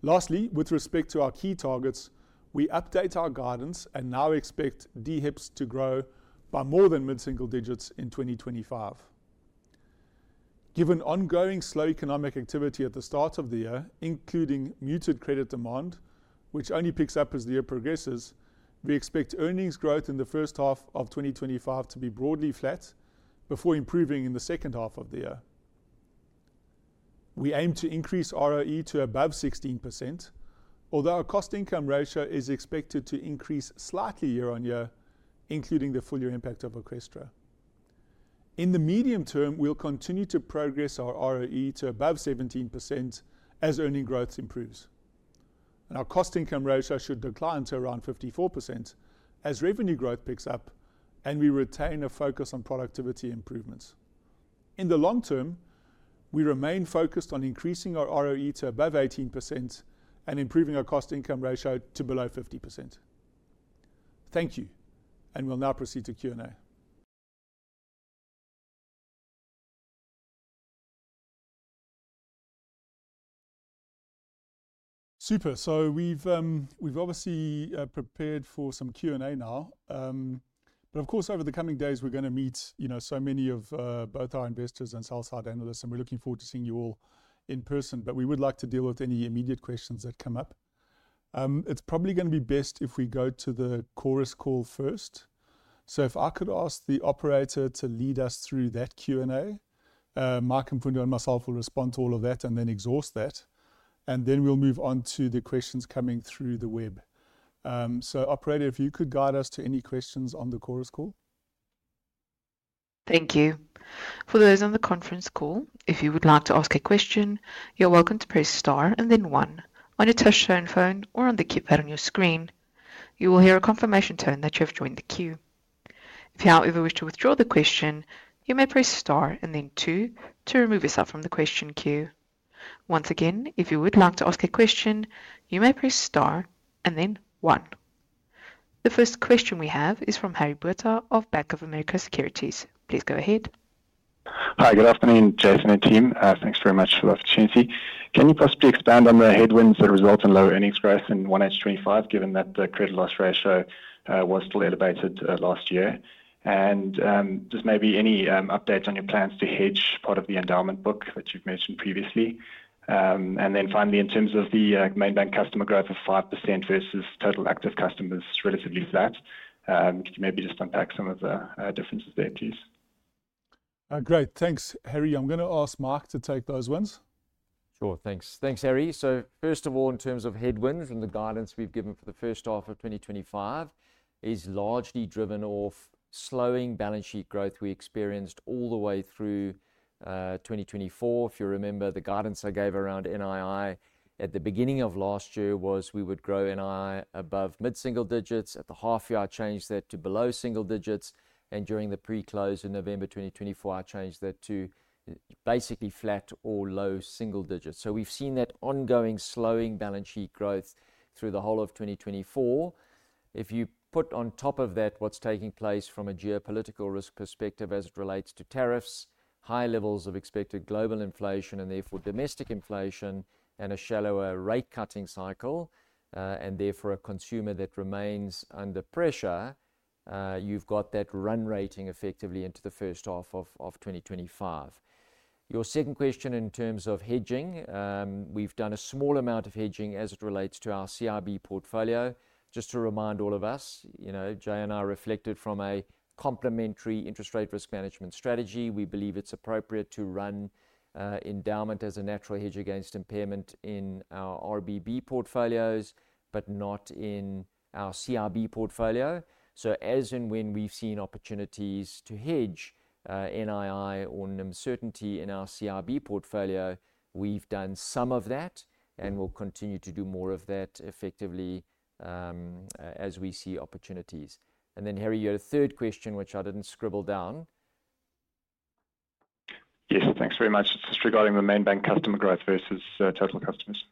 Lastly, with respect to our key targets, we update our guidance and now expect DHEPS to grow by more than mid-single digits in 2025. Given ongoing slow economic activity at the start of the year, including muted credit demand, which only picks up as the year progresses, we expect earnings growth in the first half of 2025 to be broadly flat before improving in the second half of the year. We aim to increase ROE to above 16%, although our cost-income ratio is expected to increase slightly year on year, including the full-year impact of Eqstra. In the medium term, we'll continue to progress our ROE to above 17% as earnings growth improves. Our cost-income ratio should decline to around 54% as revenue growth picks up and we retain a focus on productivity improvements. In the long term, we remain focused on increasing our ROE to above 18% and improving our cost-income ratio to below 50%. Thank you, and we'll now proceed to Q&A. Super. So we've obviously prepared for some Q&A now. But of course, over the coming days, we're going to meet so many of both our investors and sell-side analysts, and we're looking forward to seeing you all in person. But we would like to deal with any immediate questions that come up. It's probably going to be best if we go to the Chorus Call first. So if I could ask the operator to lead us through that Q&A, Mike and Mfundo and myself will respond to all of that and then exhaust that. Then we'll move on to the questions coming through the web. Operator, if you could guide us to any questions on the Chorus Call. Thank you. For those on the conference call, if you would like to ask a question, you're welcome to press star and then one. On a touch-tone phone or on the keypad on your screen, you will hear a confirmation tone that you have joined the queue. If you, however, wish to withdraw the question, you may press star and then two to remove yourself from the question queue. Once again, if you would like to ask a question, you may press star and then one. The first question we have is from Harry Botha of Bank of America Securities. Please go ahead. Hi, good afternoon, Jason and team. Thanks very much for the opportunity. Can you possibly expand on the headwinds that result in lower earnings growth in 1H25, given that the credit loss ratio was still elevated last year? And just maybe any updates on your plans to hedge part of the endowment book that you've mentioned previously? And then finally, in terms of the main bank customer growth of 5% versus total active customers, relatively flat. Could you maybe just unpack some of the differences there, please? Great. Thanks, Harry. I'm going to ask Mike to take those ones. Sure. Thanks. Thanks, Harry. So first of all, in terms of headwinds and the guidance we've given for the first half of 2025, it's largely driven off slowing balance sheet growth we experienced all the way through 2024. If you remember, the guidance I gave around NII at the beginning of last year was we would grow NII above mid-single digits. At the half year, I changed that to below single digits. And during the pre-close in November 2024, I changed that to basically flat or low single digits. So we've seen that ongoing slowing balance sheet growth through the whole of 2024. If you put on top of that what's taking place from a geopolitical risk perspective as it relates to tariffs, high levels of expected global inflation, and therefore domestic inflation, and a shallower rate-cutting cycle, and therefore a consumer that remains under pressure, you've got that run rating effectively into the first half of 2025. Your second question in terms of hedging, we've done a small amount of hedging as it relates to our CRB portfolio. Just to remind all of us, Jay and I reflected from a complementary interest rate risk management strategy. We believe it's appropriate to run endowment as a natural hedge against impairment in our RBB portfolios, but not in our CRB portfolio, so as and when we've seen opportunities to hedge NII or NIM certainty in our CRB portfolio, we've done some of that and will continue to do more of that effectively as we see opportunities, and then, Harry, you had a third question, which I didn't scribble down. Yes, thanks very much. It's just regarding the main bank customer growth versus total customers.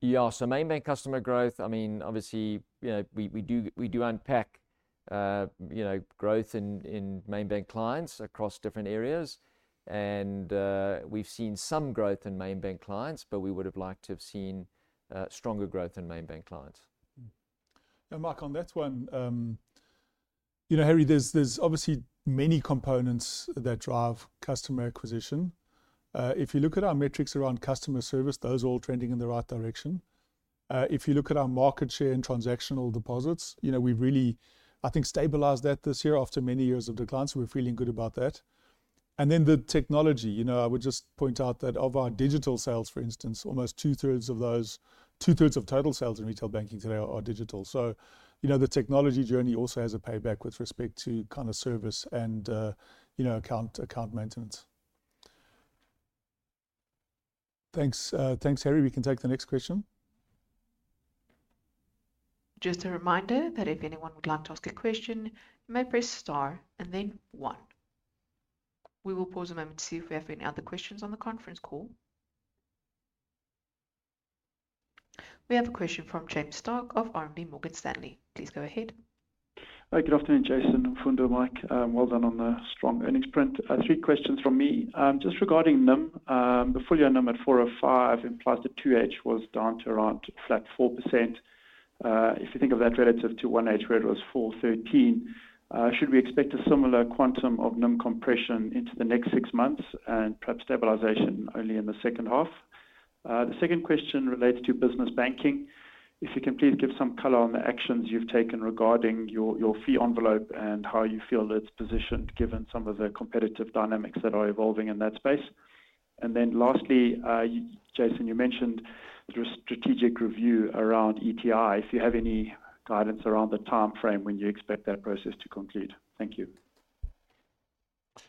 Yeah, so main bank customer growth, I mean, obviously, we do unpack growth in main bank clients across different areas, and we've seen some growth in main bank clients, but we would have liked to have seen stronger growth in main bank clients. And Mike, on that one, Harry, there's obviously many components that drive customer acquisition. If you look at our metrics around customer service, those are all trending in the right direction. If you look at our market share and transactional deposits, we've really, I think, stabilized that this year after many years of decline, so we're feeling good about that, and then the technology, I would just point out that of our digital sales, for instance, almost two-thirds of those, two-thirds of total sales in retail banking today are digital. So the technology journey also has a payback with respect to kind of service and account maintenance. Thanks, Harry. We can take the next question. Just a reminder that if anyone would like to ask a question, you may press star and then one. We will pause a moment to see if we have any other questions on the conference call. We have a question from James Starke of RMB Morgan Stanley. Please go ahead. Good afternoon, Jason, Mfundo, Mike. Well done on the strong earnings print. Three questions from me. Just regarding NIM, the full-year NIM at 405 implies the 2H was down to around flat 4%. If you think of that relative to 1H, where it was 413, should we expect a similar quantum of NIM compression into the next six months and perhaps stabilization only in the second half? The second question relates to business banking. If you can please give some color on the actions you've taken regarding your fee envelope and how you feel it's positioned given some of the competitive dynamics that are evolving in that space. And then lastly, Jason, you mentioned the strategic review around ETI. If you have any guidance around the time frame when you expect that process to conclude. Thank you.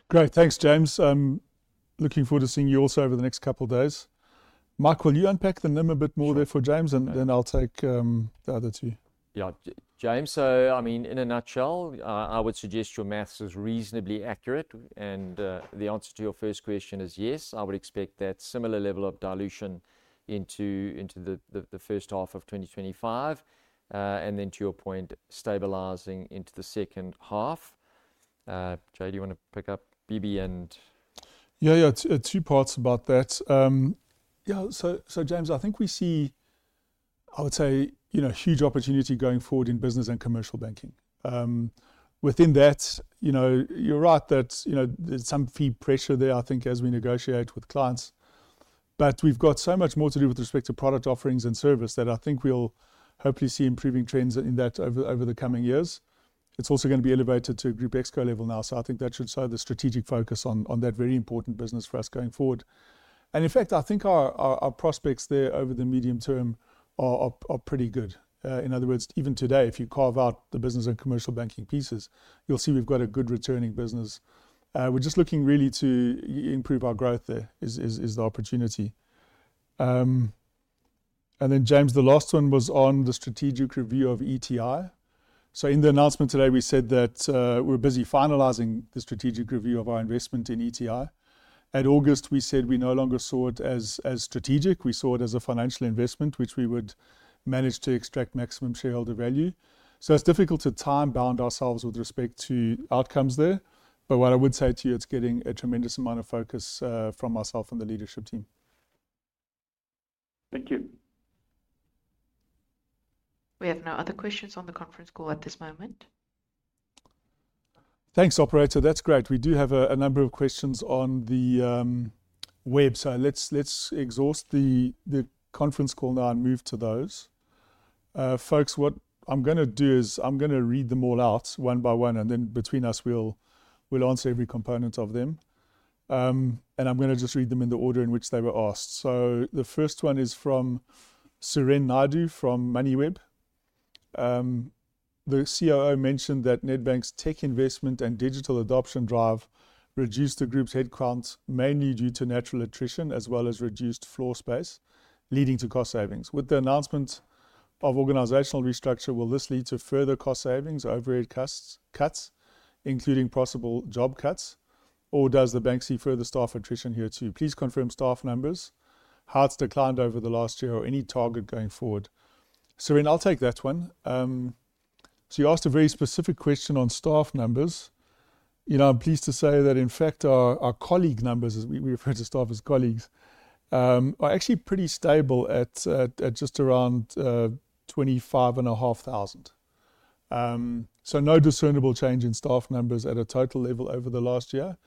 Great. Thanks, James. Looking forward to seeing you also over the next couple of days. Mike, will you unpack the NIM a bit more there for James, and then I'll take the other two. Yeah, James, so I mean, in a nutshell, I would suggest your math is reasonably accurate, and the answer to your first question is yes. I would expect that similar level of dilution into the first half of 2025, and then to your point, stabilizing into the second half. Jay, do you want to pick up? Yeah, yeah, two parts about that. Yeah, so James, I think we see, I would say, a huge opportunity going forward in business and commercial banking. Within that, you're right that there's some fee pressure there, I think, as we negotiate with clients. But we've got so much more to do with respect to product offerings and service that I think we'll hopefully see improving trends in that over the coming years. It's also going to be elevated to a Group Exco level now. So I think that should serve the strategic focus on that very important business for us going forward. And in fact, I think our prospects there over the medium term are pretty good. In other words, even today, if you carve out the business and commercial banking pieces, you'll see we've got a good returning business. We're just looking really to improve our growth there is the opportunity. And then, James, the last one was on the strategic review of ETI. So in the announcement today, we said that we're busy finalizing the strategic review of our investment in ETI. In August, we said we no longer saw it as strategic. We saw it as a financial investment, which we would manage to extract maximum shareholder value. So it's difficult to time-bound ourselves with respect to outcomes there. But what I would say to you, it's getting a tremendous amount of focus from myself and the leadership team. Thank you. We have no other questions on the conference call at this moment. Thanks, operator. That's great. We do have a number of questions on the web. So let's exhaust the conference call now and move to those. Folks, what I'm going to do is I'm going to read them all out one by one, and then between us, we'll answer every component of them. And I'm going to just read them in the order in which they were asked. So the first one is from Suren Naidoo from Moneyweb. The CIO mentioned that Nedbank's tech investment and digital adoption drive reduced the Group's headcount mainly due to natural attrition, as well as reduced floor space, leading to cost savings. With the announcement of organizational restructure, will this lead to further cost savings, overhead cuts, including possible job cuts, or does the bank see further staff attrition here too? Please confirm staff numbers, how it's declined over the last year, or any target going forward. Suren, I'll take that one. So you asked a very specific question on staff numbers. I'm pleased to say that, in fact, our colleague numbers, as we refer to staff as colleagues, are actually pretty stable at just around 25,500. So no discernible change in staff numbers at a total level over the last year.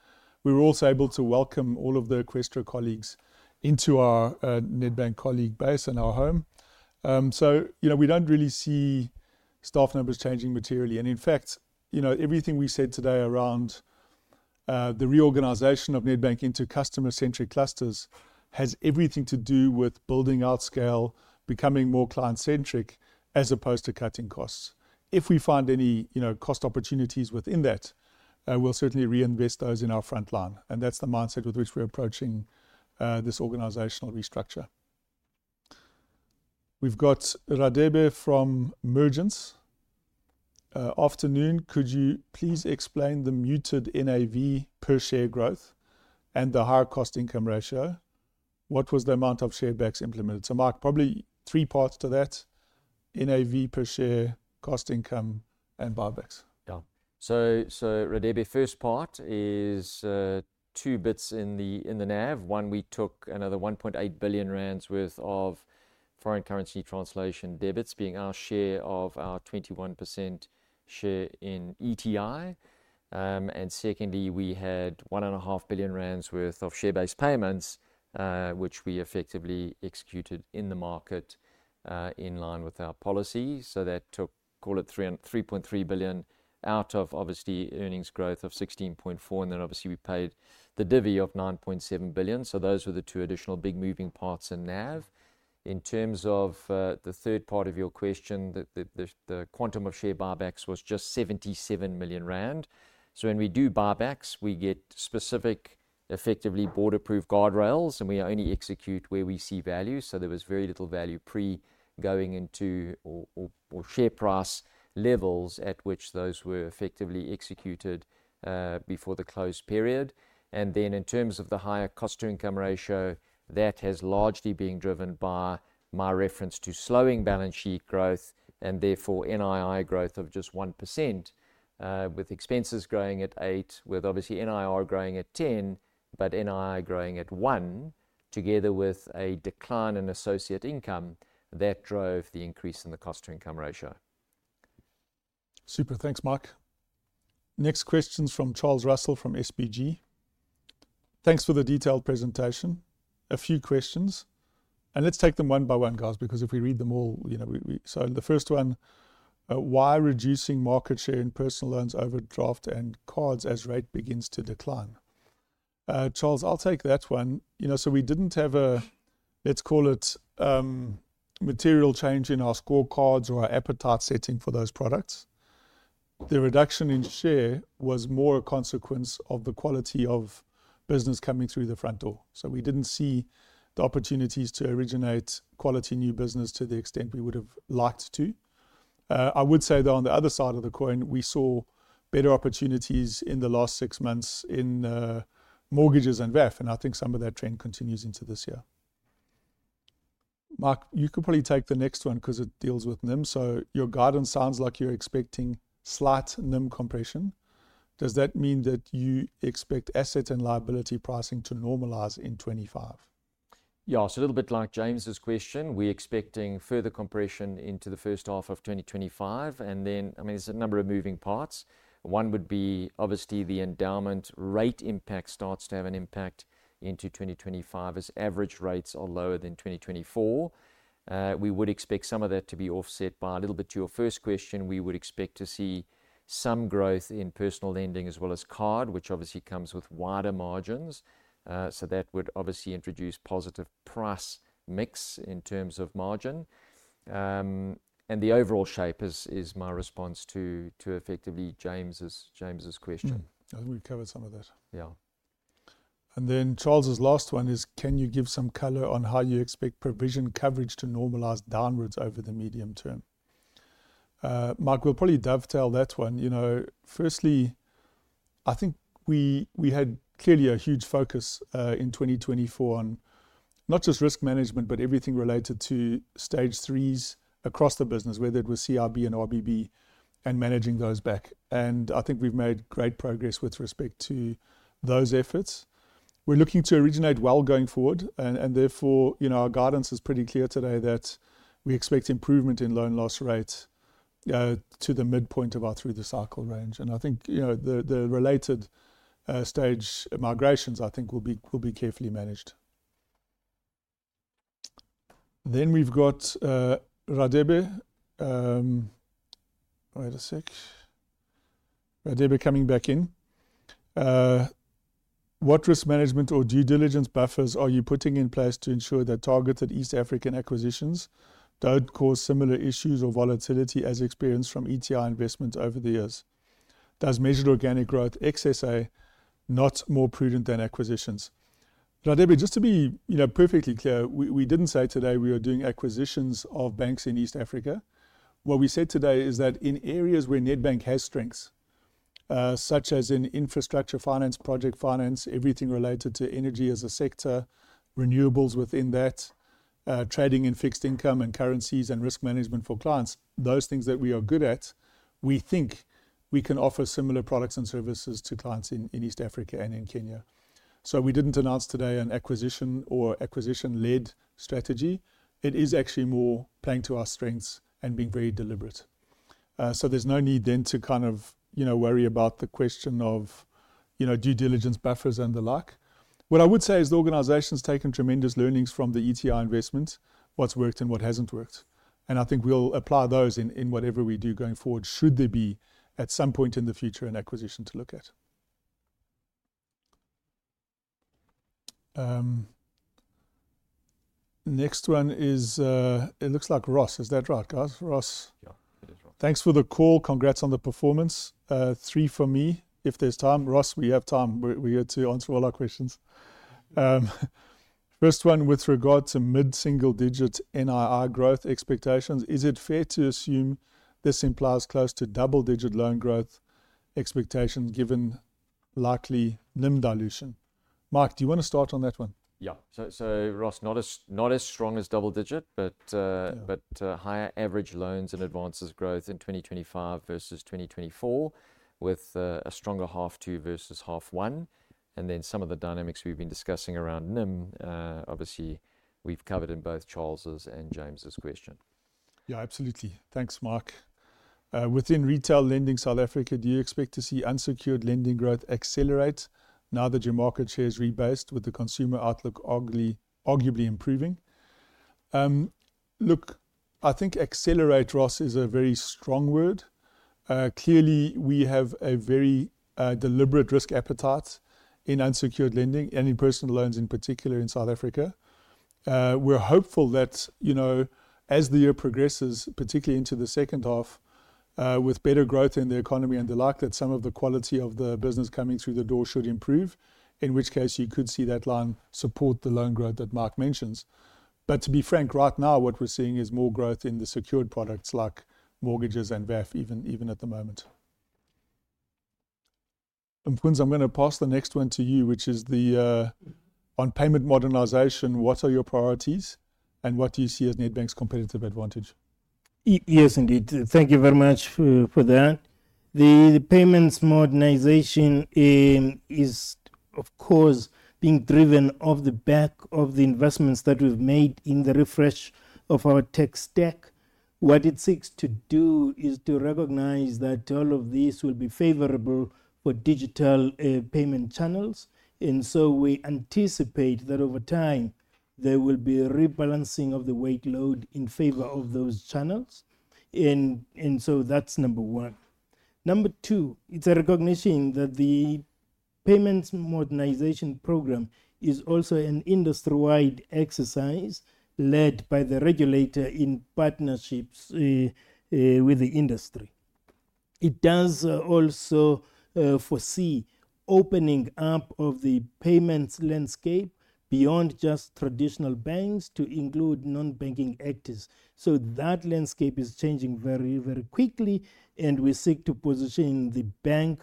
We were also able to welcome all of the Eqstra colleagues into our Nedbank colleague base and our home. We don't really see staff numbers changing materially. In fact, everything we said today around the reorganization of Nedbank into customer-centric clusters has everything to do with building out scale, becoming more client-centric, as opposed to cutting costs. If we find any cost opportunities within that, we'll certainly reinvest those in our front line. That's the mindset with which we're approaching this organizational restructure. We've got Radebe from Mergence. Afternoon, could you please explain the muted NAV per share growth and the higher cost-to-income ratio? What was the amount of share buybacks implemented? So Mike, probably three parts to that: NAV per share, cost income, and buybacks. Yeah. So Radebe, first part is two bits in the NAV. One, we took another 1.8 billion rand worth of foreign currency translation debits, being our share of our 21% share in ETI. Secondly, we had 1.5 billion rand worth of share-based payments, which we effectively executed in the market in line with our policy. That took, call it 3.3 billion out of obviously earnings growth of 16.4%. Then obviously we paid the divvy of 9.7 billion. Those were the two additional big moving parts in NAV. In terms of the third part of your question, the quantum of share buybacks was just 77 million rand. When we do buybacks, we get specific, effectively border-proof guardrails, and we only execute where we see value. There was very little value pre-going into or share price levels at which those were effectively executed before the closed period. In terms of the higher cost-to-income ratio, that has largely been driven by my reference to slowing balance sheet growth and therefore NII growth of just 1%, with expenses growing at 8%, with obviously NIR growing at 10%, but NII growing at 1%, together with a decline in associate income that drove the increase in the cost-to-income ratio. Super. Thanks, Mike. Next questions from Charles Russell from SBG. Thanks for the detailed presentation. A few questions. Let's take them one by one, guys, because if we read them all, so the first one, why reducing market share in personal loans, overdraft, and cards as rate begins to decline? Charles, I'll take that one. So we didn't have a, let's call it, material change in our score cards or our appetite setting for those products. The reduction in share was more a consequence of the quality of business coming through the front door. So we didn't see the opportunities to originate quality new business to the extent we would have liked to. I would say that on the other side of the coin, we saw better opportunities in the last six months in mortgages and VAF. And I think some of that trend continues into this year. Mike, you could probably take the next one because it deals with NIM. So your guidance sounds like you're expecting slight NIM compression. Does that mean that you expect asset and liability pricing to normalize in 2025? Yeah, so a little bit like James's question, we're expecting further compression into the first half of 2025. And then, I mean, there's a number of moving parts. One would be obviously the endowment rate impact starts to have an impact into 2025 as average rates are lower than 2024. We would expect some of that to be offset by a little bit to your first question. We would expect to see some growth in personal lending as well as card, which obviously comes with wider margins. So that would obviously introduce positive price mix in terms of margin. And the overall shape is my response to effectively James's question. I think we've covered some of that. Yeah. And then Charles's last one is, can you give some color on how you expect provision coverage to normalize downwards over the medium term? Mike, we'll probably dovetail that one. Firstly, I think we had clearly a huge focus in 2024 on not just risk management, but everything related to Stage 3s across the business, whether it was CRB and RBB and managing those back. And I think we've made great progress with respect to those efforts. We're looking to originate well going forward. And therefore, our guidance is pretty clear today that we expect improvement in loan loss rates to the midpoint of our through-the-cycle range. And I think the related stage migrations, I think, will be carefully managed. Then we've got Radebe. Wait a sec. Radebe coming back in. What risk management or due diligence buffers are you putting in place to ensure that targeted East African acquisitions don't cause similar issues or volatility as experienced from ETI investments over the years? Does measured organic growth, XSA, not more prudent than acquisitions? Radebe, just to be perfectly clear, we didn't say today we were doing acquisitions of banks in East Africa. What we said today is that in areas where Nedbank has strengths, such as in infrastructure finance, project finance, everything related to energy as a sector, renewables within that, trading in fixed income and currencies and risk management for clients, those things that we are good at, we think we can offer similar products and services to clients in East Africa and in Kenya. So we didn't announce today an acquisition or acquisition-led strategy. It is actually more playing to our strengths and being very deliberate. So there's no need then to kind of worry about the question of due diligence buffers and the like. What I would say is the organization's taken tremendous learnings from the ETI investments, what's worked and what hasn't worked. I think we'll apply those in whatever we do going forward, should there be at some point in the future an acquisition to look at. Next one is, it looks like Ross. Is that right, guys? Ross? Yeah, it is Ross. Thanks for the call. Congrats on the performance. Three for me. If there's time, Ross, we have time. We're here to answer all our questions. First one, with regard to mid-single-digit NIR growth expectations, is it fair to assume this implies close to double-digit loan growth expectation given likely NIM dilution? Mike, do you want to start on that one? Yeah. So Ross, not as strong as double-digit, but higher average loans and advances growth in 2025 versus 2024, with a stronger half two versus half one. And then some of the dynamics we've been discussing around NIM, obviously we've covered in both Charles's and James's question. Yeah, absolutely. Thanks, Mike. Within retail lending South Africa, do you expect to see unsecured lending growth accelerate now that your market share is rebased with the consumer outlook arguably improving? Look, I think accelerate, Ross, is a very strong word. Clearly, we have a very deliberate risk appetite in unsecured lending and in personal loans in particular in South Africa. We're hopeful that as the year progresses, particularly into the second half, with better growth in the economy and the like, that some of the quality of the business coming through the door should improve, in which case you could see that line support the loan growth that Mike mentions. But to be frank, right now, what we're seeing is more growth in the secured products like mortgages and VAF even at the moment. Quinn, I'm going to pass the next one to you, which is the one on payment modernization. What are your priorities and what do you see as Nedbank's competitive advantage? Yes, indeed. Thank you very much for that. The payments modernization is, of course, being driven off the back of the investments that we've made in the refresh of our tech stack. What it seeks to do is to recognize that all of these will be favorable for digital payment channels. And so we anticipate that over time, there will be a rebalancing of the weighted load in favor of those channels. And so that's number one. Number two, it's a recognition that the payments modernization program is also an industry-wide exercise led by the regulator in partnership with the industry. It does also foresee opening up of the payments landscape beyond just traditional banks to include non-banking actors. That landscape is changing very, very quickly, and we seek to position the bank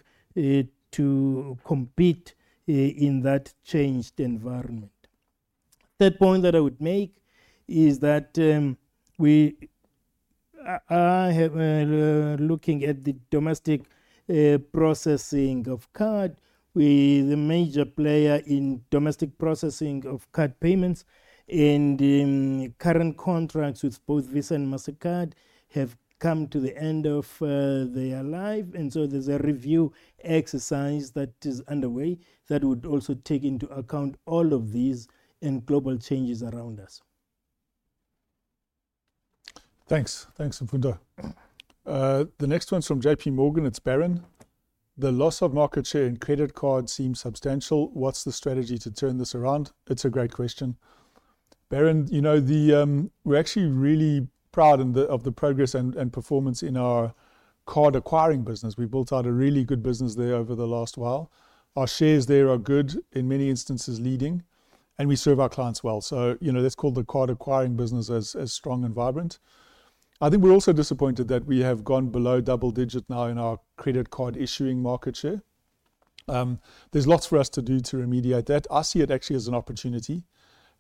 to compete in that changed environment. Third point that I would make is that we are looking at the domestic processing of card. We are the major player in domestic processing of card payments, and current contracts with both Visa and Mastercard have come to the end of their life. And so there's a review exercise that is underway that would also take into account all of these and global changes around us. Thanks. Thanks, Mfundo. The next one's from JPMorgan. It's Barron. The loss of market share in credit cards seems substantial. What's the strategy to turn this around? It's a great question. Barron, we're actually really proud of the progress and performance in our card acquiring business. We built out a really good business there over the last while. Our shares there are good, in many instances leading, and we serve our clients well. So let's call the card acquiring business as strong and vibrant. I think we're also disappointed that we have gone below double-digit now in our credit card issuing market share. There's lots for us to do to remediate that. I see it actually as an opportunity.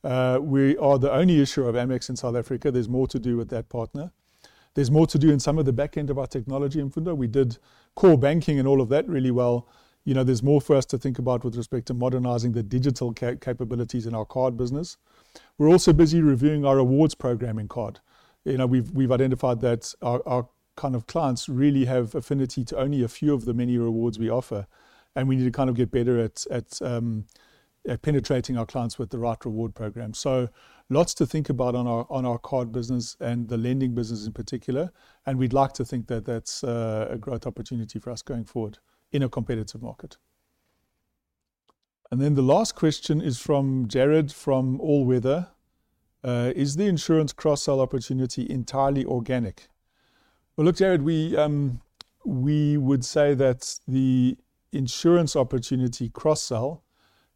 We are the only issuer of Amex in South Africa. There's more to do with that partner. There's more to do in some of the back end of our technology, Mfundo. We did core banking and all of that really well. There's more for us to think about with respect to modernizing the digital capabilities in our card business. We're also busy reviewing our awards program in card. We've identified that our kind of clients really have affinity to only a few of the many rewards we offer, and we need to kind of get better at penetrating our clients with the right reward program. So lots to think about on our card business and the lending business in particular. And we'd like to think that that's a growth opportunity for us going forward in a competitive market. And then the last question is from Jared from All Weather. Is the insurance cross-sell opportunity entirely organic? Well, look, Jared, we would say that the insurance opportunity cross-sell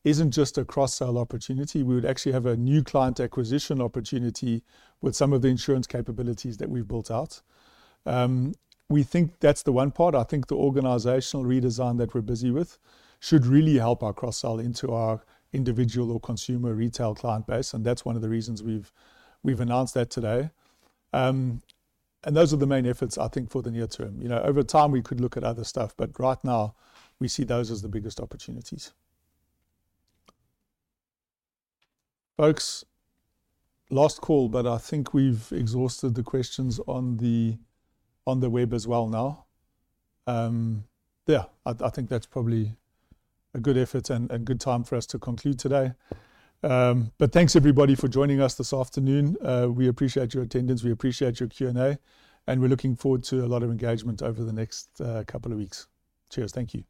isn't just a cross-sell opportunity. We would actually have a new client acquisition opportunity with some of the insurance capabilities that we've built out. We think that's the one part. I think the organizational redesign that we're busy with should really help our cross-sell into our individual or consumer retail client base. And that's one of the reasons we've announced that today. And those are the main efforts, I think, for the near term. Over time, we could look at other stuff, but right now, we see those as the biggest opportunities. Folks, last call, but I think we've exhausted the questions on the web as well now. Yeah, I think that's probably a good effort and good time for us to conclude today. But thanks, everybody, for joining us this afternoon. We appreciate your attendance. We appreciate your Q&A, and we're looking forward to a lot of engagement over the next couple of weeks. Cheers. Thank you.